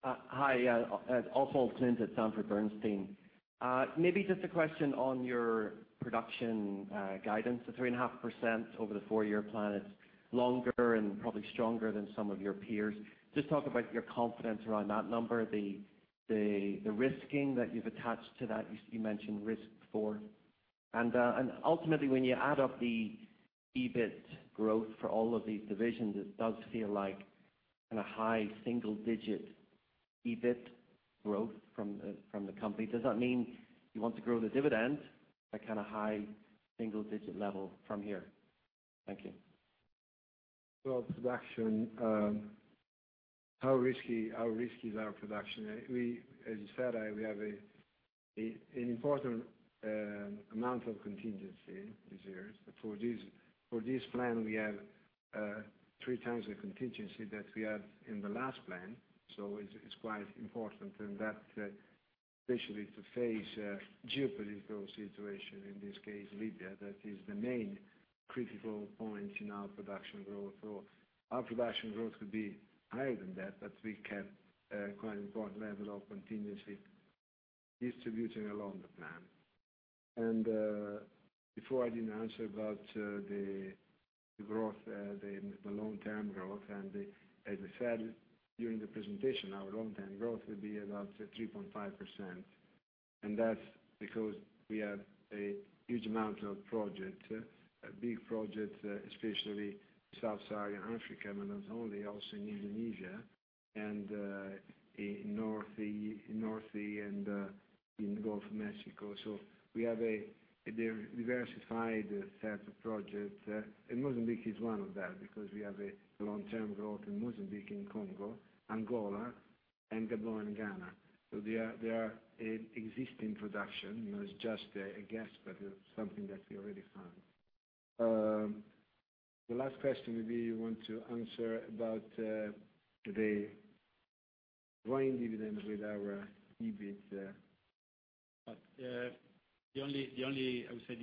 Hi, Oswald Clint at Sanford C. Bernstein. Maybe just a question on your production guidance, the 3.5% over the four-year plan. It's longer and probably stronger than some of your peers. Just talk about your confidence around that number, the risking that you've attached to that, you mentioned risk before. Ultimately, when you add up the EBIT growth for all of these divisions, it does feel like a high single-digit EBIT growth from the company. Does that mean you want to grow the dividend at a high single-digit level from here? Thank you. Well, production. How risky is our production? As you said, we have an important amount of contingency this year. For this plan, we have three times the contingency that we had in the last plan, so it is quite important. That especially to face geopolitical situation, in this case, Libya, that is the main critical point in our production growth. Our production growth could be higher than that, but we kept a quite important level of contingency distributed along the plan. Before I didn't answer about the long-term growth. As I said during the presentation, our long-term growth will be about 3.5%, and that's because we have a huge amount of project, a big project, especially Sub-Saharan Africa, but not only, also in Indonesia and in North Sea, and in the Gulf of Mexico. We have a diversified set of projects. Mozambique is one of them because we have a long-term growth in Mozambique, in Congo, Angola, and Gabon, and Ghana. They are existing production. It's just a guess, but it's something that we already found. The last question will be you want to answer about the growing dividend with our EBIT. The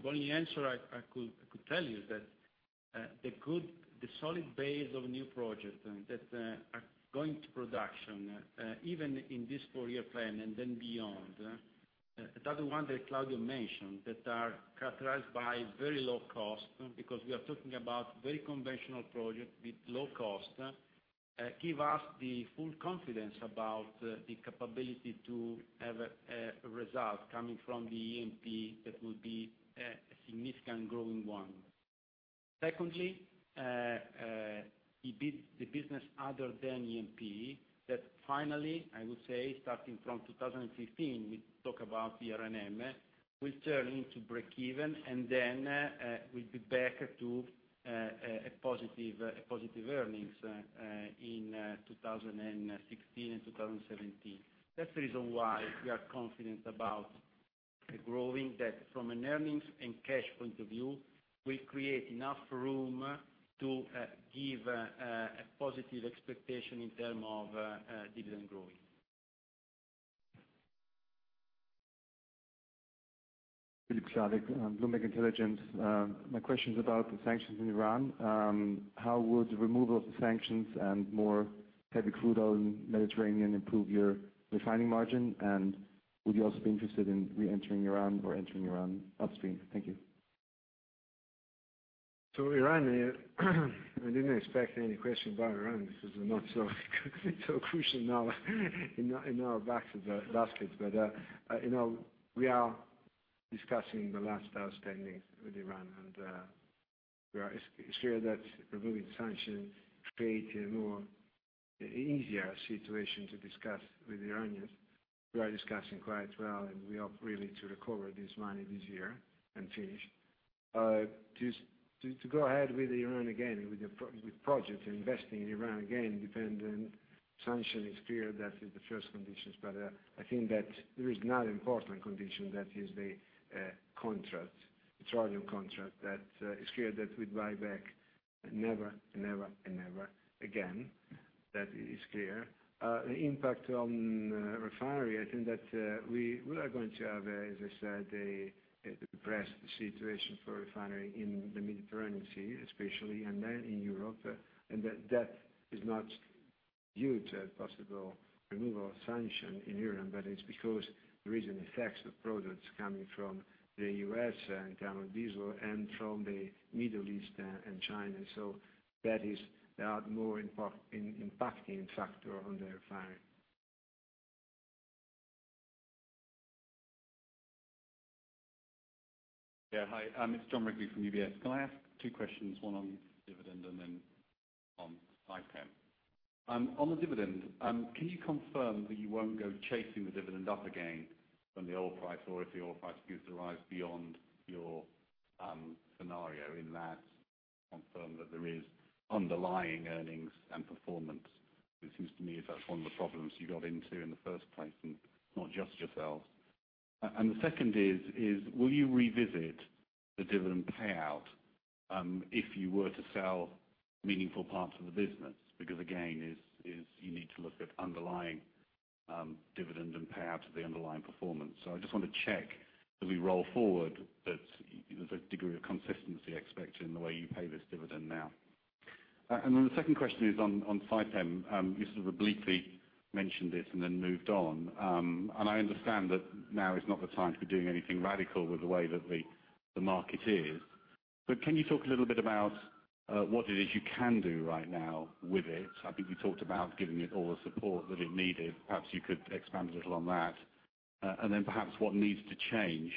only answer I could tell you is that the solid base of new projects that are going to production, even in this four-year plan and then beyond. The other one that Claudio mentioned, that are characterized by very low cost, because we are talking about very conventional project with low cost, give us the full confidence about the capability to have a result coming from the E&P that will be a significant growing one. Secondly, the business other than E&P, that finally, I would say, starting from 2015, we talk about the R&M, will turn into breakeven, and then we'll be back to a positive earnings in 2016 and 2017. That's the reason why we are confident about growing debt from an earnings and cash point of view. We create enough room to give a positive expectation in term of dividend growing. Philipp Chladek, Bloomberg Intelligence. My question is about the sanctions in Iran. How would the removal of the sanctions and more heavy crude oil in Mediterranean improve your refining margin? Would you also be interested in reentering Iran or entering Iran upstream? Thank you. Iran, I didn't expect any question about Iran because they are not so crucial now in our baskets. We are discussing the last outstanding with Iran, and it is clear that removing sanctions create a more easier situation to discuss with Iranians. We are discussing quite well, and we hope really to recover this money this year and finish. To go ahead with Iran again, with projects and investing in Iran again, depend on sanction is clear that is the first conditions, but I think that there is another important condition that is the contract. It is really a contract that is clear that we buy back never and never again. That is clear. The impact on refinery, I think that we are going to have, as I said, a depressed situation for refinery in the Mediterranean Sea especially, and then in Europe, and that is not due to a possible removal of sanction in Iran, but it is because there is an effect of products coming from the U.S. in term of diesel and from the Middle East and China. That is the more impacting factor on the refinery. Hi, it is Jon Rigby from UBS. Can I ask two questions, one on dividend and then on Saipem? On the dividend, can you confirm that you won't go chasing the dividend up again when the oil price, or if the oil price, gives the rise beyond your scenario in that confirm that there is underlying earnings and performance? It seems to me as that is one of the problems you got into in the first place, and not just yourselves. And the second is, will you revisit the dividend payout, if you were to sell meaningful parts of the business? Because again, is you need to look at underlying dividend and payout to the underlying performance. I just want to check as we roll forward, that there is a degree of consistency expected in the way you pay this dividend now. And then the second question is on Saipem. You sort of obliquely mentioned it and then moved on. I understand that now is not the time to be doing anything radical with the way that the market is. Can you talk a little bit about what it is you can do right now with it? I think you talked about giving it all the support that it needed. Perhaps you could expand a little on that. And then perhaps what needs to change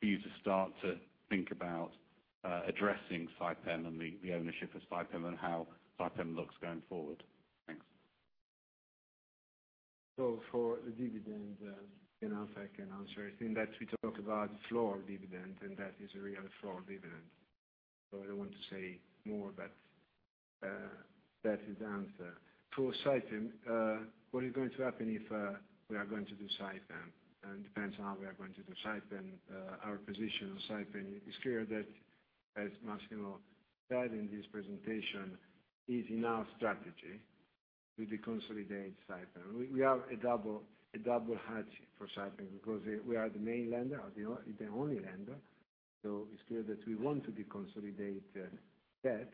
for you to start to think about addressing Saipem and the ownership of Saipem and how Saipem looks going forward. Thanks. For the dividend, enough I can answer. I think that we talk about floor dividend, and that is a real floor dividend. I don't want to say more, but that is the answer. For Saipem, what is going to happen if we are going to do Saipem, depends on how we are going to do Saipem. Our position on Saipem, it's clear that, as Massimo said in his presentation, is in our strategy to deconsolidate Saipem. We have a double hedge for Saipem because we are the main lender, or the only lender. It's clear that we want to deconsolidate the debt.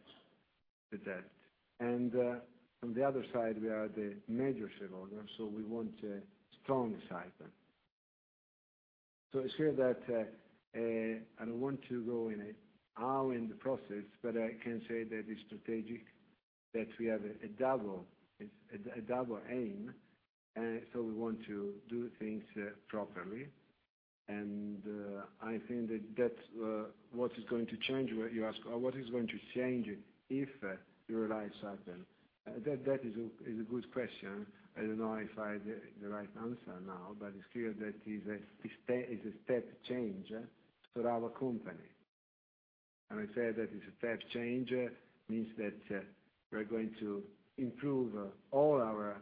On the other side, we are the major shareholder, we want a strong Saipem. It's clear that I don't want to go in how in the process, but I can say that is strategic, that we have a double aim. We want to do things properly. I think that's what is going to change. You ask, what is going to change if you revise Saipem? That is a good question. I don't know if I have the right answer now, but it's clear that is a step change for our company. I said that it's a step change, means that we're going to improve all our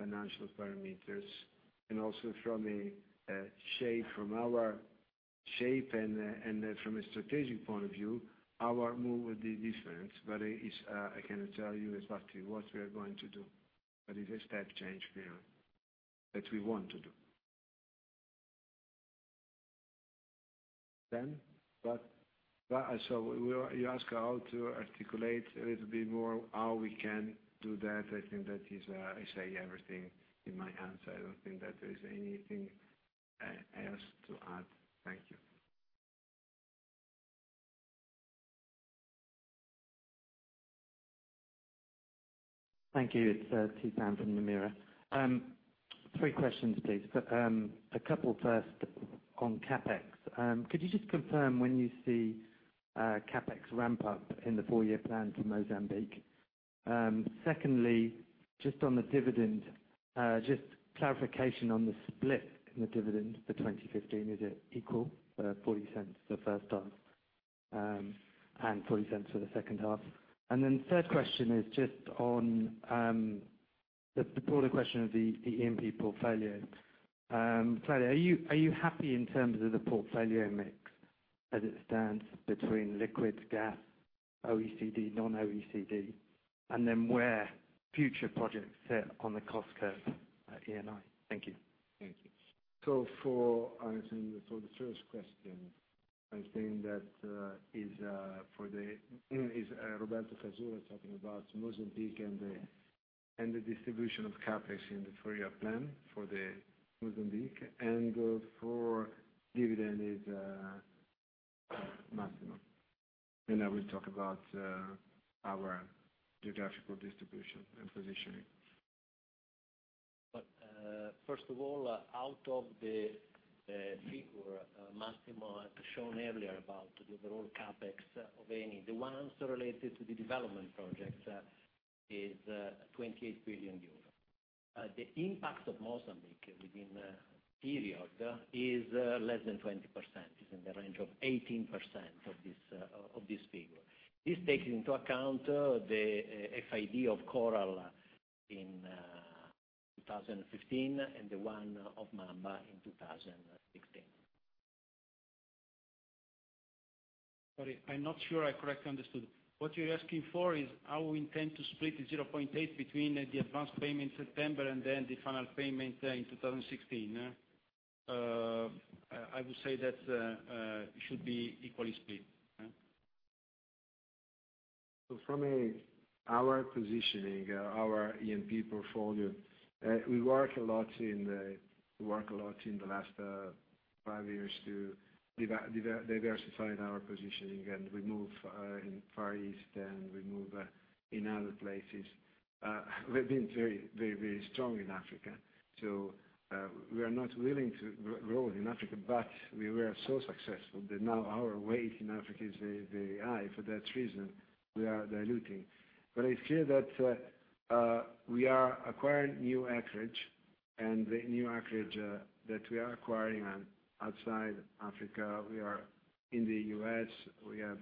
financial parameters and also from our shape and from a strategic point of view, our move will be different. I cannot tell you exactly what we are going to do, but it's a step change that we want to do. You ask how to articulate a little bit more how we can do that. I think that is, I say everything in my answer. I don't think that there is anything else to add. Thank you. Thank you. It's Theepan from Nomura. Three questions, please. A couple first on CapEx. Could you just confirm when you see CapEx ramp up in the four-year plan for Mozambique? Secondly, just on the dividend, just clarification on the split in the dividend for 2015. Is it equal, 0.40 the first half, and 0.40 for the second half? Third question is just on the broader question of the E&P portfolio. Claudio, are you happy in terms of the portfolio mix as it stands between liquids, gas, OECD, non-OECD? And then where future projects sit on the cost curve at Eni? Thank you. Thank you. For answering for the first question, I think that is Roberto Casula talking about Mozambique and the distribution of CapEx in the four-year plan for the Mozambique, and for dividend is Massimo. I will talk about our geographical distribution and positioning. First of all, out of the figure Massimo had shown earlier about the overall CapEx of Eni, the ones related to the development projects is 28 billion euros. The impact of Mozambique within the period is less than 20%, is in the range of 18% of this figure. This takes into account the FID of Coral in 2015 and the one of Mamba in 2016. Sorry, I'm not sure I correctly understood. What you're asking for is how we intend to split the 0.8 between the advanced payment in September and then the final payment in 2016? I would say that it should be equally split. From our positioning, our E&P portfolio, we worked a lot in the last five years to diversify our positioning, and we move in Far East, and we move in other places. We've been very strong in Africa. We are not willing to grow in Africa, but we were so successful that now our weight in Africa is very high. For that reason, we are diluting. It's clear that we are acquiring new acreage, and the new acreage that we are acquiring outside Africa, we are in the U.S., we are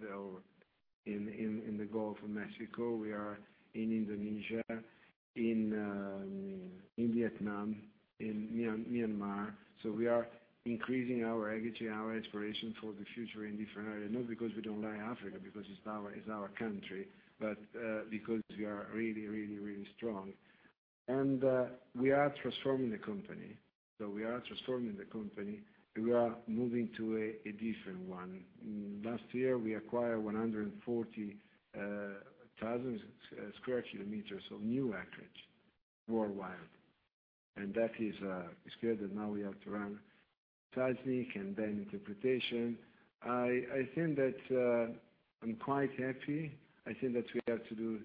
in the Gulf of Mexico, we are in Indonesia, in Vietnam, in Myanmar. We are increasing our acreage, our exploration for the future in different areas, not because we don't like Africa, because it's our country, but because we are really strong. We are transforming the company. We are transforming the company, and we are moving to a different one. Last year, we acquired 140,000 square kilometers of new acreage worldwide. That is clear that now we have to run seismic and then interpretation. I think that I'm quite happy. I think that we have to do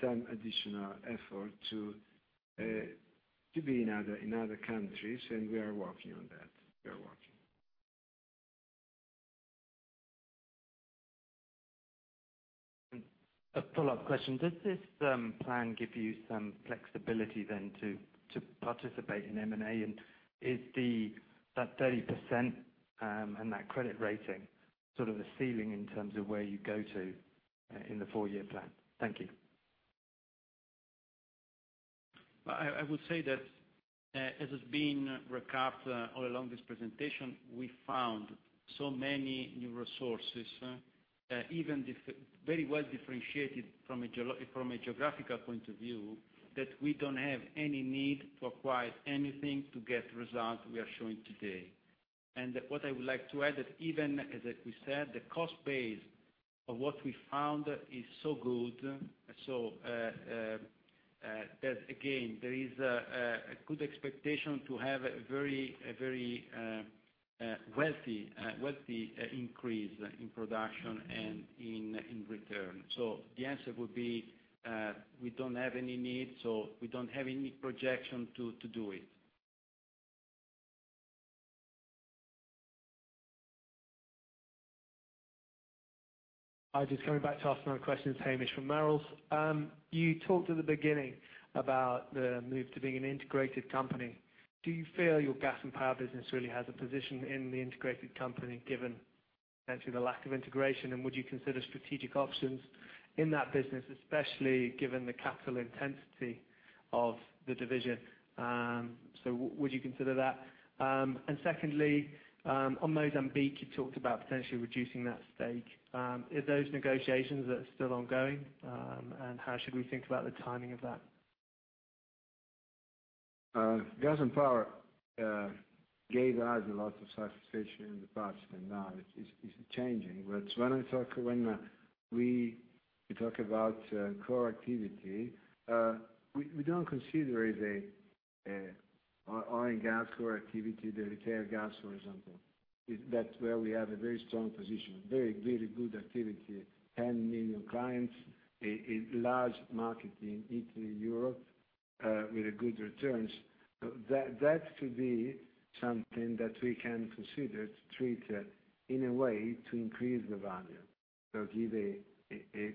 some additional effort to be in other countries, and we are working on that. A follow-up question, does this plan give you some flexibility then to participate in M&A? Is that 30% and that credit rating sort of a ceiling in terms of where you go to in the four-year plan? Thank you. I would say that, as has been recapped all along this presentation, we found so many new resources, even very well differentiated from a geographical point of view, that we don't have any need to acquire anything to get results we are showing today. What I would like to add, that even, as we said, the cost base of what we found is so good, so that again, there is a good expectation to have a very healthy increase in production and in return. The answer would be, we don't have any needs, so we don't have any projection to do it. Hi, just coming back to ask another question. It's Hamish from Merrill's. You talked at the beginning about the move to being an integrated company. Do you feel your gas and power business really has a position in the integrated company, given essentially the lack of integration? Would you consider strategic options in that business, especially given the capital intensity of the division? Would you consider that? Secondly, on Mozambique, you talked about potentially reducing that stake. Are those negotiations still ongoing? How should we think about the timing of that? Gas and power gave us a lot of satisfaction in the past, and now it is changing. When we talk about core activity, we don't consider it an oil and gas core activity, the retail gas, for example. That's where we have a very strong position, very good activity, 10 million clients, a large market in Italy, Europe, with good returns. That could be something that we can consider to treat in a way to increase the value. Give a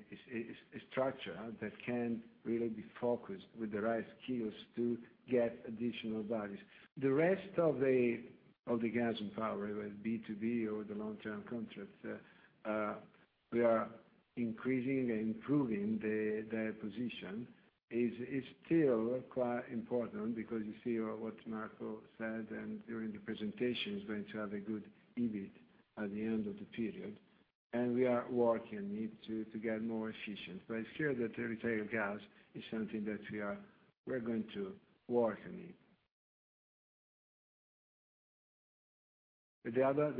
structure that can really be focused with the right skills to get additional values. The rest of the gas and power, whether B2B or the long-term contracts, we are increasing and improving the position. It's still quite important because you see what Marco said, and during the presentation, it's going to have a good EBIT at the end of the period, and we are working on it to get more efficient. It's clear that the retail gas is something that we're going to work on it. The other,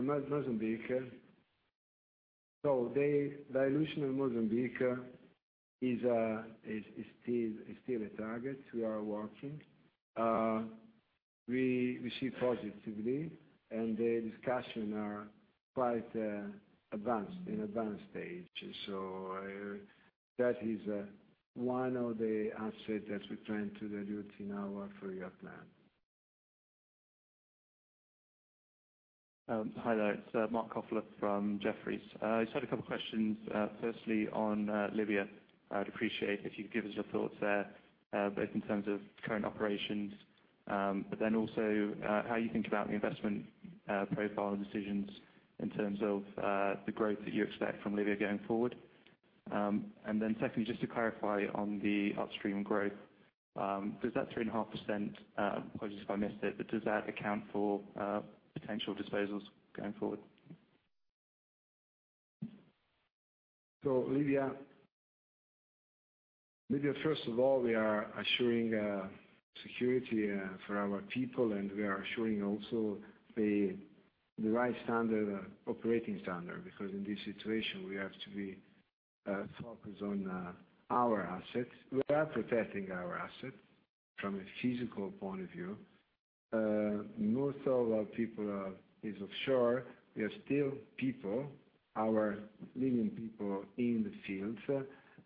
Mozambique. The dilution of Mozambique is still a target. We are working. We see positively, and the discussions are quite advanced, in advanced stages. That is one of the assets that we're trying to dilute in our three-year plan. Hi there. It's Marc Kofler from Jefferies. I just had a couple of questions. Firstly, on Libya, I'd appreciate if you could give us your thoughts there, both in terms of current operations, but then also how you think about the investment profile and decisions in terms of the growth that you expect from Libya going forward? Secondly, just to clarify on the upstream growth, does that 3.5%, apologies if I missed it, but does that account for potential disposals going forward? Libya, first of all, we are assuring security for our people, we are assuring also the right operating standard, in this situation, we have to be focused on our assets. We are protecting our assets from a physical point of view. Most of our people are offshore. We have still people, our million people in the fields,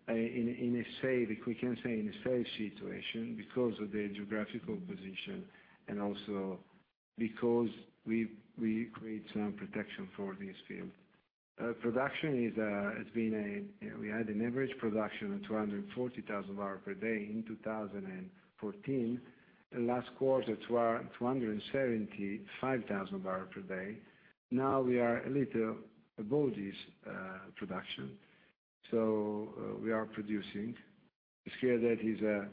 we can say, in a safe situation because of their geographical position and also because we create some protection for these fields. Production, we had an average production of 240,000 barrel per day in 2014. In last quarter, 275,000 barrel per day. Now we are a little above this production, we are producing. It's clear that is a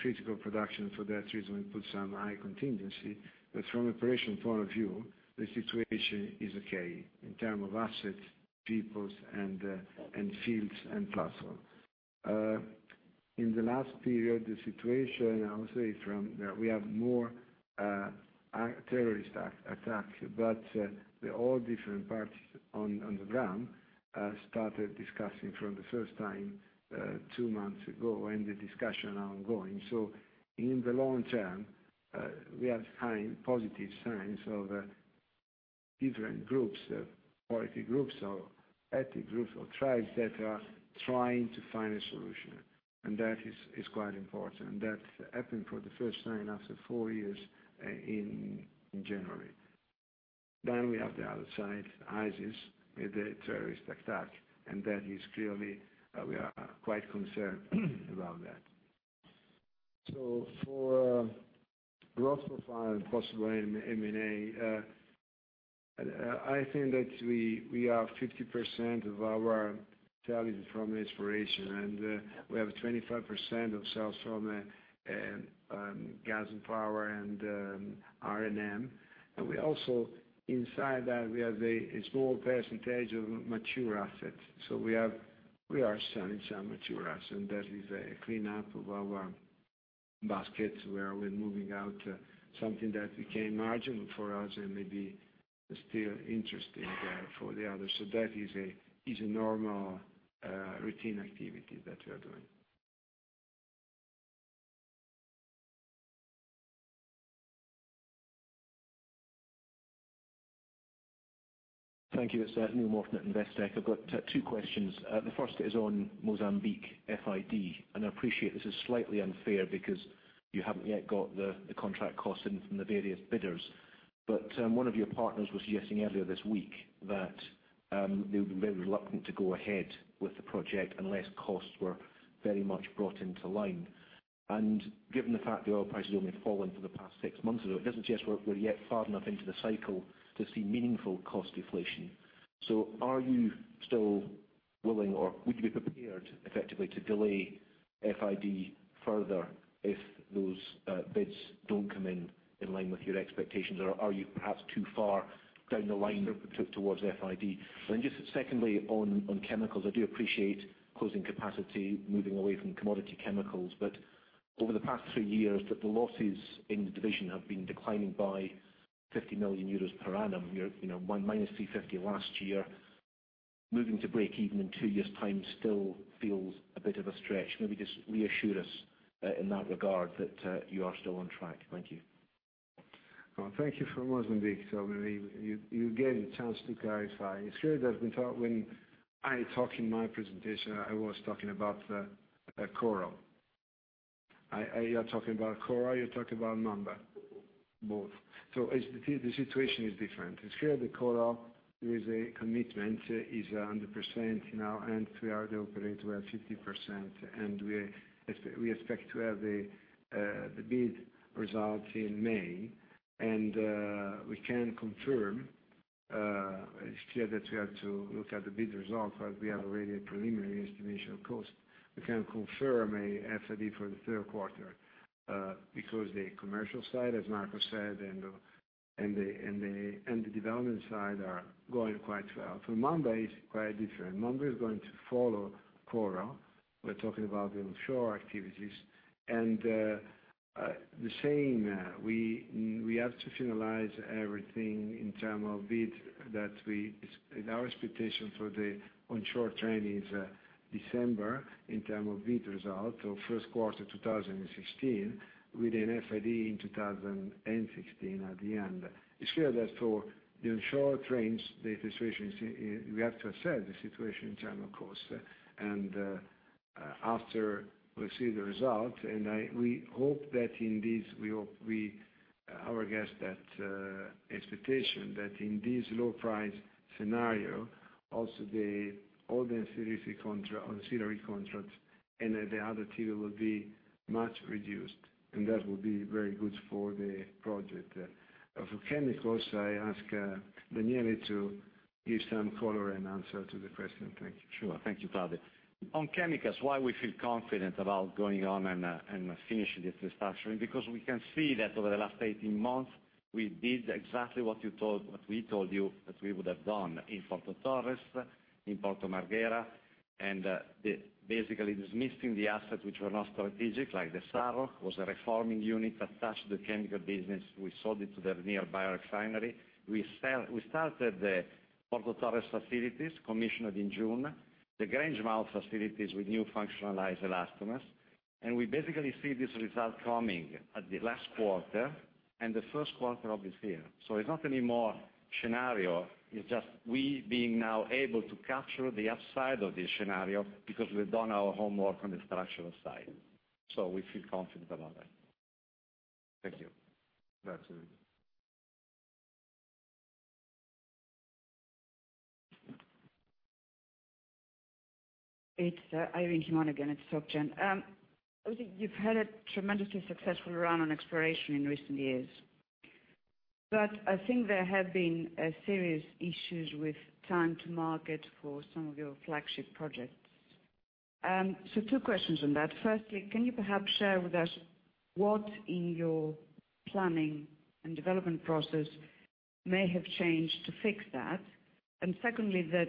critical production. For that reason, we put some high contingency. From operation point of view, the situation is okay in terms of assets, people, and fields, and platform. In the last period, the situation, I would say, we have more terrorist attack, all different parties on the ground started discussing from the first time 2 months ago, the discussion ongoing. In the long term, we are finding positive signs of different groups, political groups or ethnic groups or tribes that are trying to find a solution, that is quite important. That happened for the first time after 4 years in January. Then we have the other side, ISIS, the terrorist attack, that is clearly, we are quite concerned about that. For growth profile and possible M&A, I think that we have 50% of our targets from exploration, we have 25% of sales from gas and power and R&M. We also, inside that, we have a small percentage of mature assets. We are selling some mature assets, that is a cleanup of our basket, where we're moving out something that became marginal for us and maybe still interesting for the others. That is a normal routine activity that we are doing. Thank you. It's Neil Morton at Investec. I've got two questions. The first is on Mozambique FID. I appreciate this is slightly unfair because you haven't yet got the contract costs in from the various bidders. One of your partners was suggesting earlier this week that they would be very reluctant to go ahead with the project unless costs were very much brought into line. Given the fact the oil price has only fallen for the past 6 months, it doesn't suggest we're yet far enough into the cycle to see meaningful cost deflation. Are you still willing, or would you be prepared, effectively, to delay FID further if those bids don't come in in line with your expectations, or are you perhaps too far down the line towards FID? Just secondly, on chemicals, I do appreciate closing capacity, moving away from commodity chemicals. Over the past 3 years, the losses in the division have been declining by 50 million euros per annum. Minus 350 last year. Moving to break even in 2 years' time still feels a bit of a stretch. Maybe just reassure us in that regard that you are still on track. Thank you. Thank you. For Mozambique, maybe you get a chance to clarify. It's clear that when I talk in my presentation, I was talking about Coral. You are talking about Coral, you're talking about Mamba. Both. The situation is different. It's clear the Coral, there is a commitment, is 100% now. We are operating to at 50%. We expect to have the bid result in May. We can confirm, it's clear that we have to look at the bid result, but we have already a preliminary estimation of cost. We can confirm a FID for the 3rd quarter because the commercial side, as Marco said, the development side are going quite well. For Mamba, it's quite different. Mamba is going to follow Coral. We're talking about the onshore activities. The same, we have to finalize everything in term of bid. Our expectation for the onshore trend is December in term of bid result. First quarter 2016 with an FID in 2016 at the end. It's clear that for the onshore trends, we have to assess the situation in term of cost. After we see the result, we hope that in this, we are against that expectation that in this low price scenario, also all the ancillary contract The other T will be much reduced, that will be very good for the project. For chemicals, I ask Daniele to give some color and answer to the question. Thank you. Sure. Thank you, Claudio. On chemicals, why we feel confident about going on and finishing this restructuring, because we can see that over the last 18 months, we did exactly what we told you that we would have done in Porto Torres, in Porto Marghera. Basically dismissing the assets which were not strategic, like the SAROM, was a reforming unit attached to the chemical business. We sold it to the nearby refinery. We started the Porto Torres facilities, commissioned in June, the Grangemouth facilities with new functionalized elastomers. We basically see this result coming at the last quarter and the first quarter of this year. It's not anymore scenario. It's just we being now able to capture the upside of this scenario because we've done our homework on the structural side. We feel confident about that. Thank you. Back to you. It's Irene Himona again at SocGen. You've had a tremendously successful run on exploration in recent years. I think there have been serious issues with time to market for some of your flagship projects. Two questions on that. Firstly, can you perhaps share with us what in your planning and development process may have changed to fix that? Secondly, that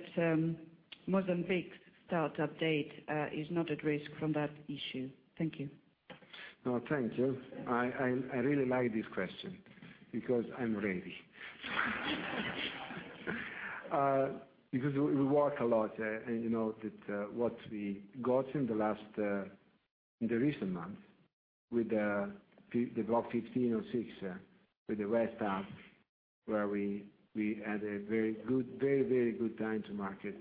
Mozambique start update is not at risk from that issue. Thank you. No, thank you. I really like this question, because I'm ready. We work a lot, and you know that what we got in the recent months with the Block 1506, with the West Hub, where we had a very good time to market.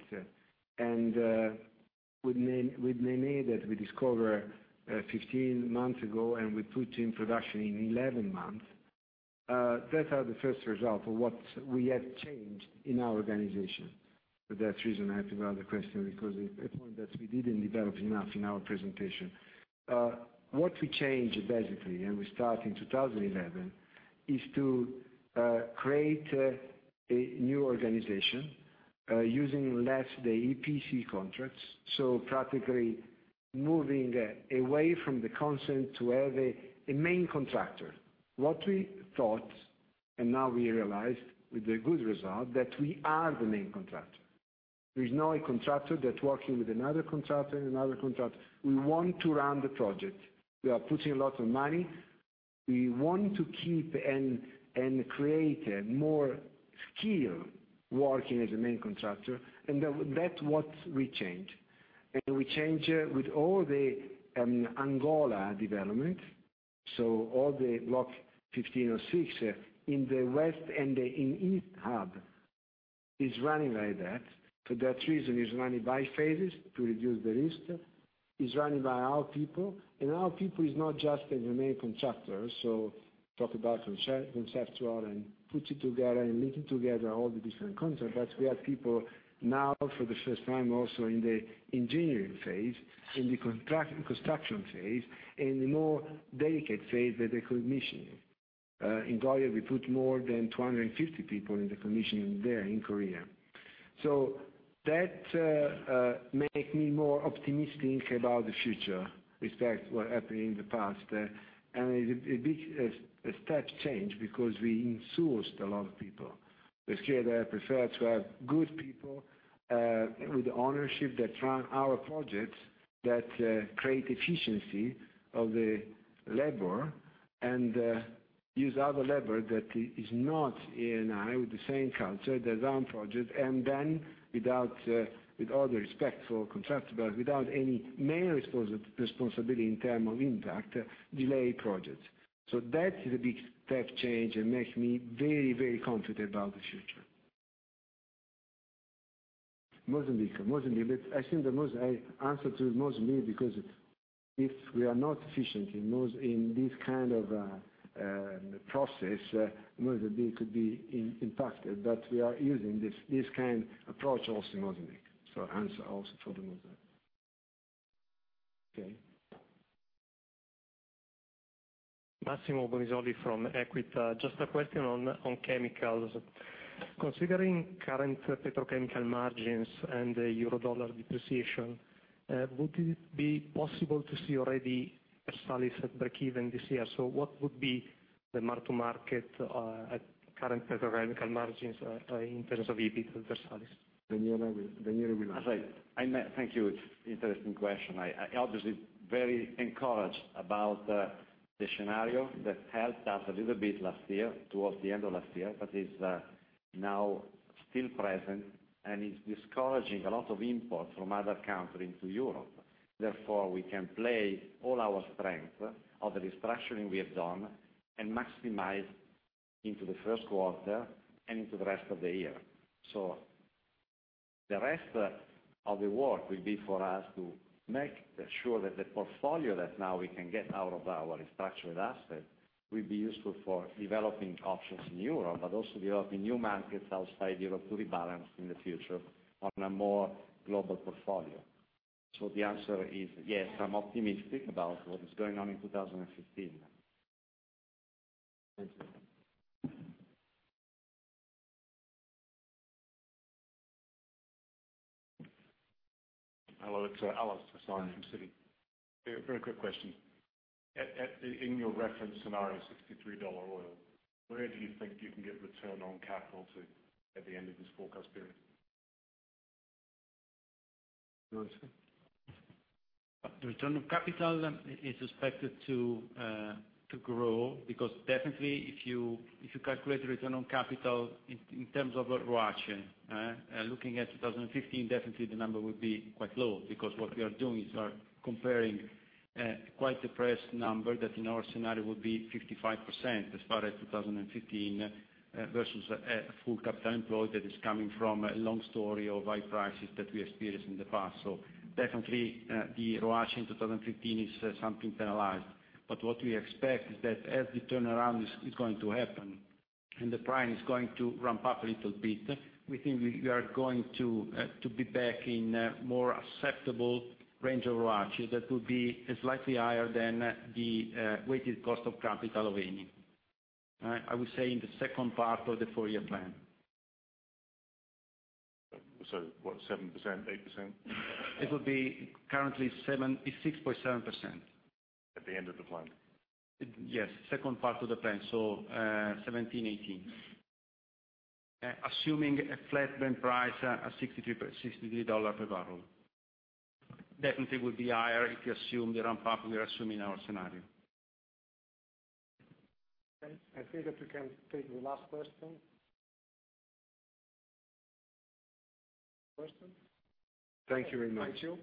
With Nené that we discover 15 months ago, and we put in production in 11 months. That are the first result of what we have changed in our organization. For that reason, I have to go on the question, because a point that we didn't develop enough in our presentation. What we changed, basically, we start in 2011, is to create a new organization, using less the EPC contracts, so practically moving away from the consent to have a main contractor. What we thought, now we realized with a good result, that we are the main contractor. There's now a contractor that's working with another contractor and another contractor. We want to run the project. We are putting a lot of money. We want to keep and create a more skill working as a main contractor, and that's what we change. We change with all the Angola development. All the Block 1506 in the West and in East Hub is running like that. For that reason, it's running by phases to reduce the risk. It's running by our people, and our people is not just the main contractor. Talk about conceptual and put it together and link it together, all the different concepts. We have people now for the first time also in the engineering phase, in the construction phase, in the more delicate phase that the commissioning. In Angola, we put more than 250 people in the commissioning there in Korea. That make me more optimistic about the future, respect what happened in the past. A big step change because we insourced a lot of people. The scale that I prefer to have good people, with the ownership that run our projects, that create efficiency of the labor, and use other labor that is not Eni with the same culture, design project, and then with all due respect for contractors, without any main responsibility in terms of impact, delay projects. That is a big step change and makes me very, very confident about the future. Mozambique. I answer to Mozambique because if we are not efficient in this kind of process, Mozambique could be impacted, but we are using this kind of approach also in Mozambique. Answer also for the Mozambique. Okay. Massimo Bonisoli from Equita. Just a question on chemicals. Considering current petrochemical margins and the euro dollar depreciation, would it be possible to see already Versalis at break-even this year? What would be the mark to market at current petrochemical margins in terms of EBITDA for Versalis? Daniele will answer. Thank you. It's interesting question. I am obviously very encouraged about the scenario that helped us a little bit last year, towards the end of last year, but is now still present and is discouraging a lot of imports from other country into Europe. We can play all our strength of the restructuring we have done and maximize into the first quarter and into the rest of the year. The rest of the work will be for us to make sure that the portfolio that now we can get out of our structured asset will be useful for developing options in Europe, but also developing new markets outside Europe to rebalance in the future on a more global portfolio. The answer is yes, I'm optimistic about what is going on in 2015. Thank you. Hello, it's Alastair Syme from Citi. Very quick question. In your reference scenario, $63 oil, where do you think you can get return on capital to at the end of this forecast period? Do you want to say? The return on capital is expected to grow, because definitely if you calculate return on capital in terms of ROACE, looking at 2015, definitely the number will be quite low, because what we are doing is we are comparing quite depressed number that in our scenario will be 55% as far as 2015, versus a full capital employed that is coming from a long story of high prices that we experienced in the past. Definitely, the ROACE in 2015 is something penalized. What we expect is that as the turnaround is going to happen and the price is going to ramp up a little bit, we think we are going to be back in a more acceptable range of ROACE. That will be slightly higher than the weighted cost of capital of Eni. I would say in the second part of the four-year plan. What, 7%, 8%? It would be currently 6.7%. At the end of the plan? Yes. Second part of the plan, so 2017, 2018. Assuming a flat Brent price at $63 per barrel. Definitely would be higher if you assume the ramp-up we are assuming in our scenario. I think that we can take the last question. Last question? Thank you very much. Thank you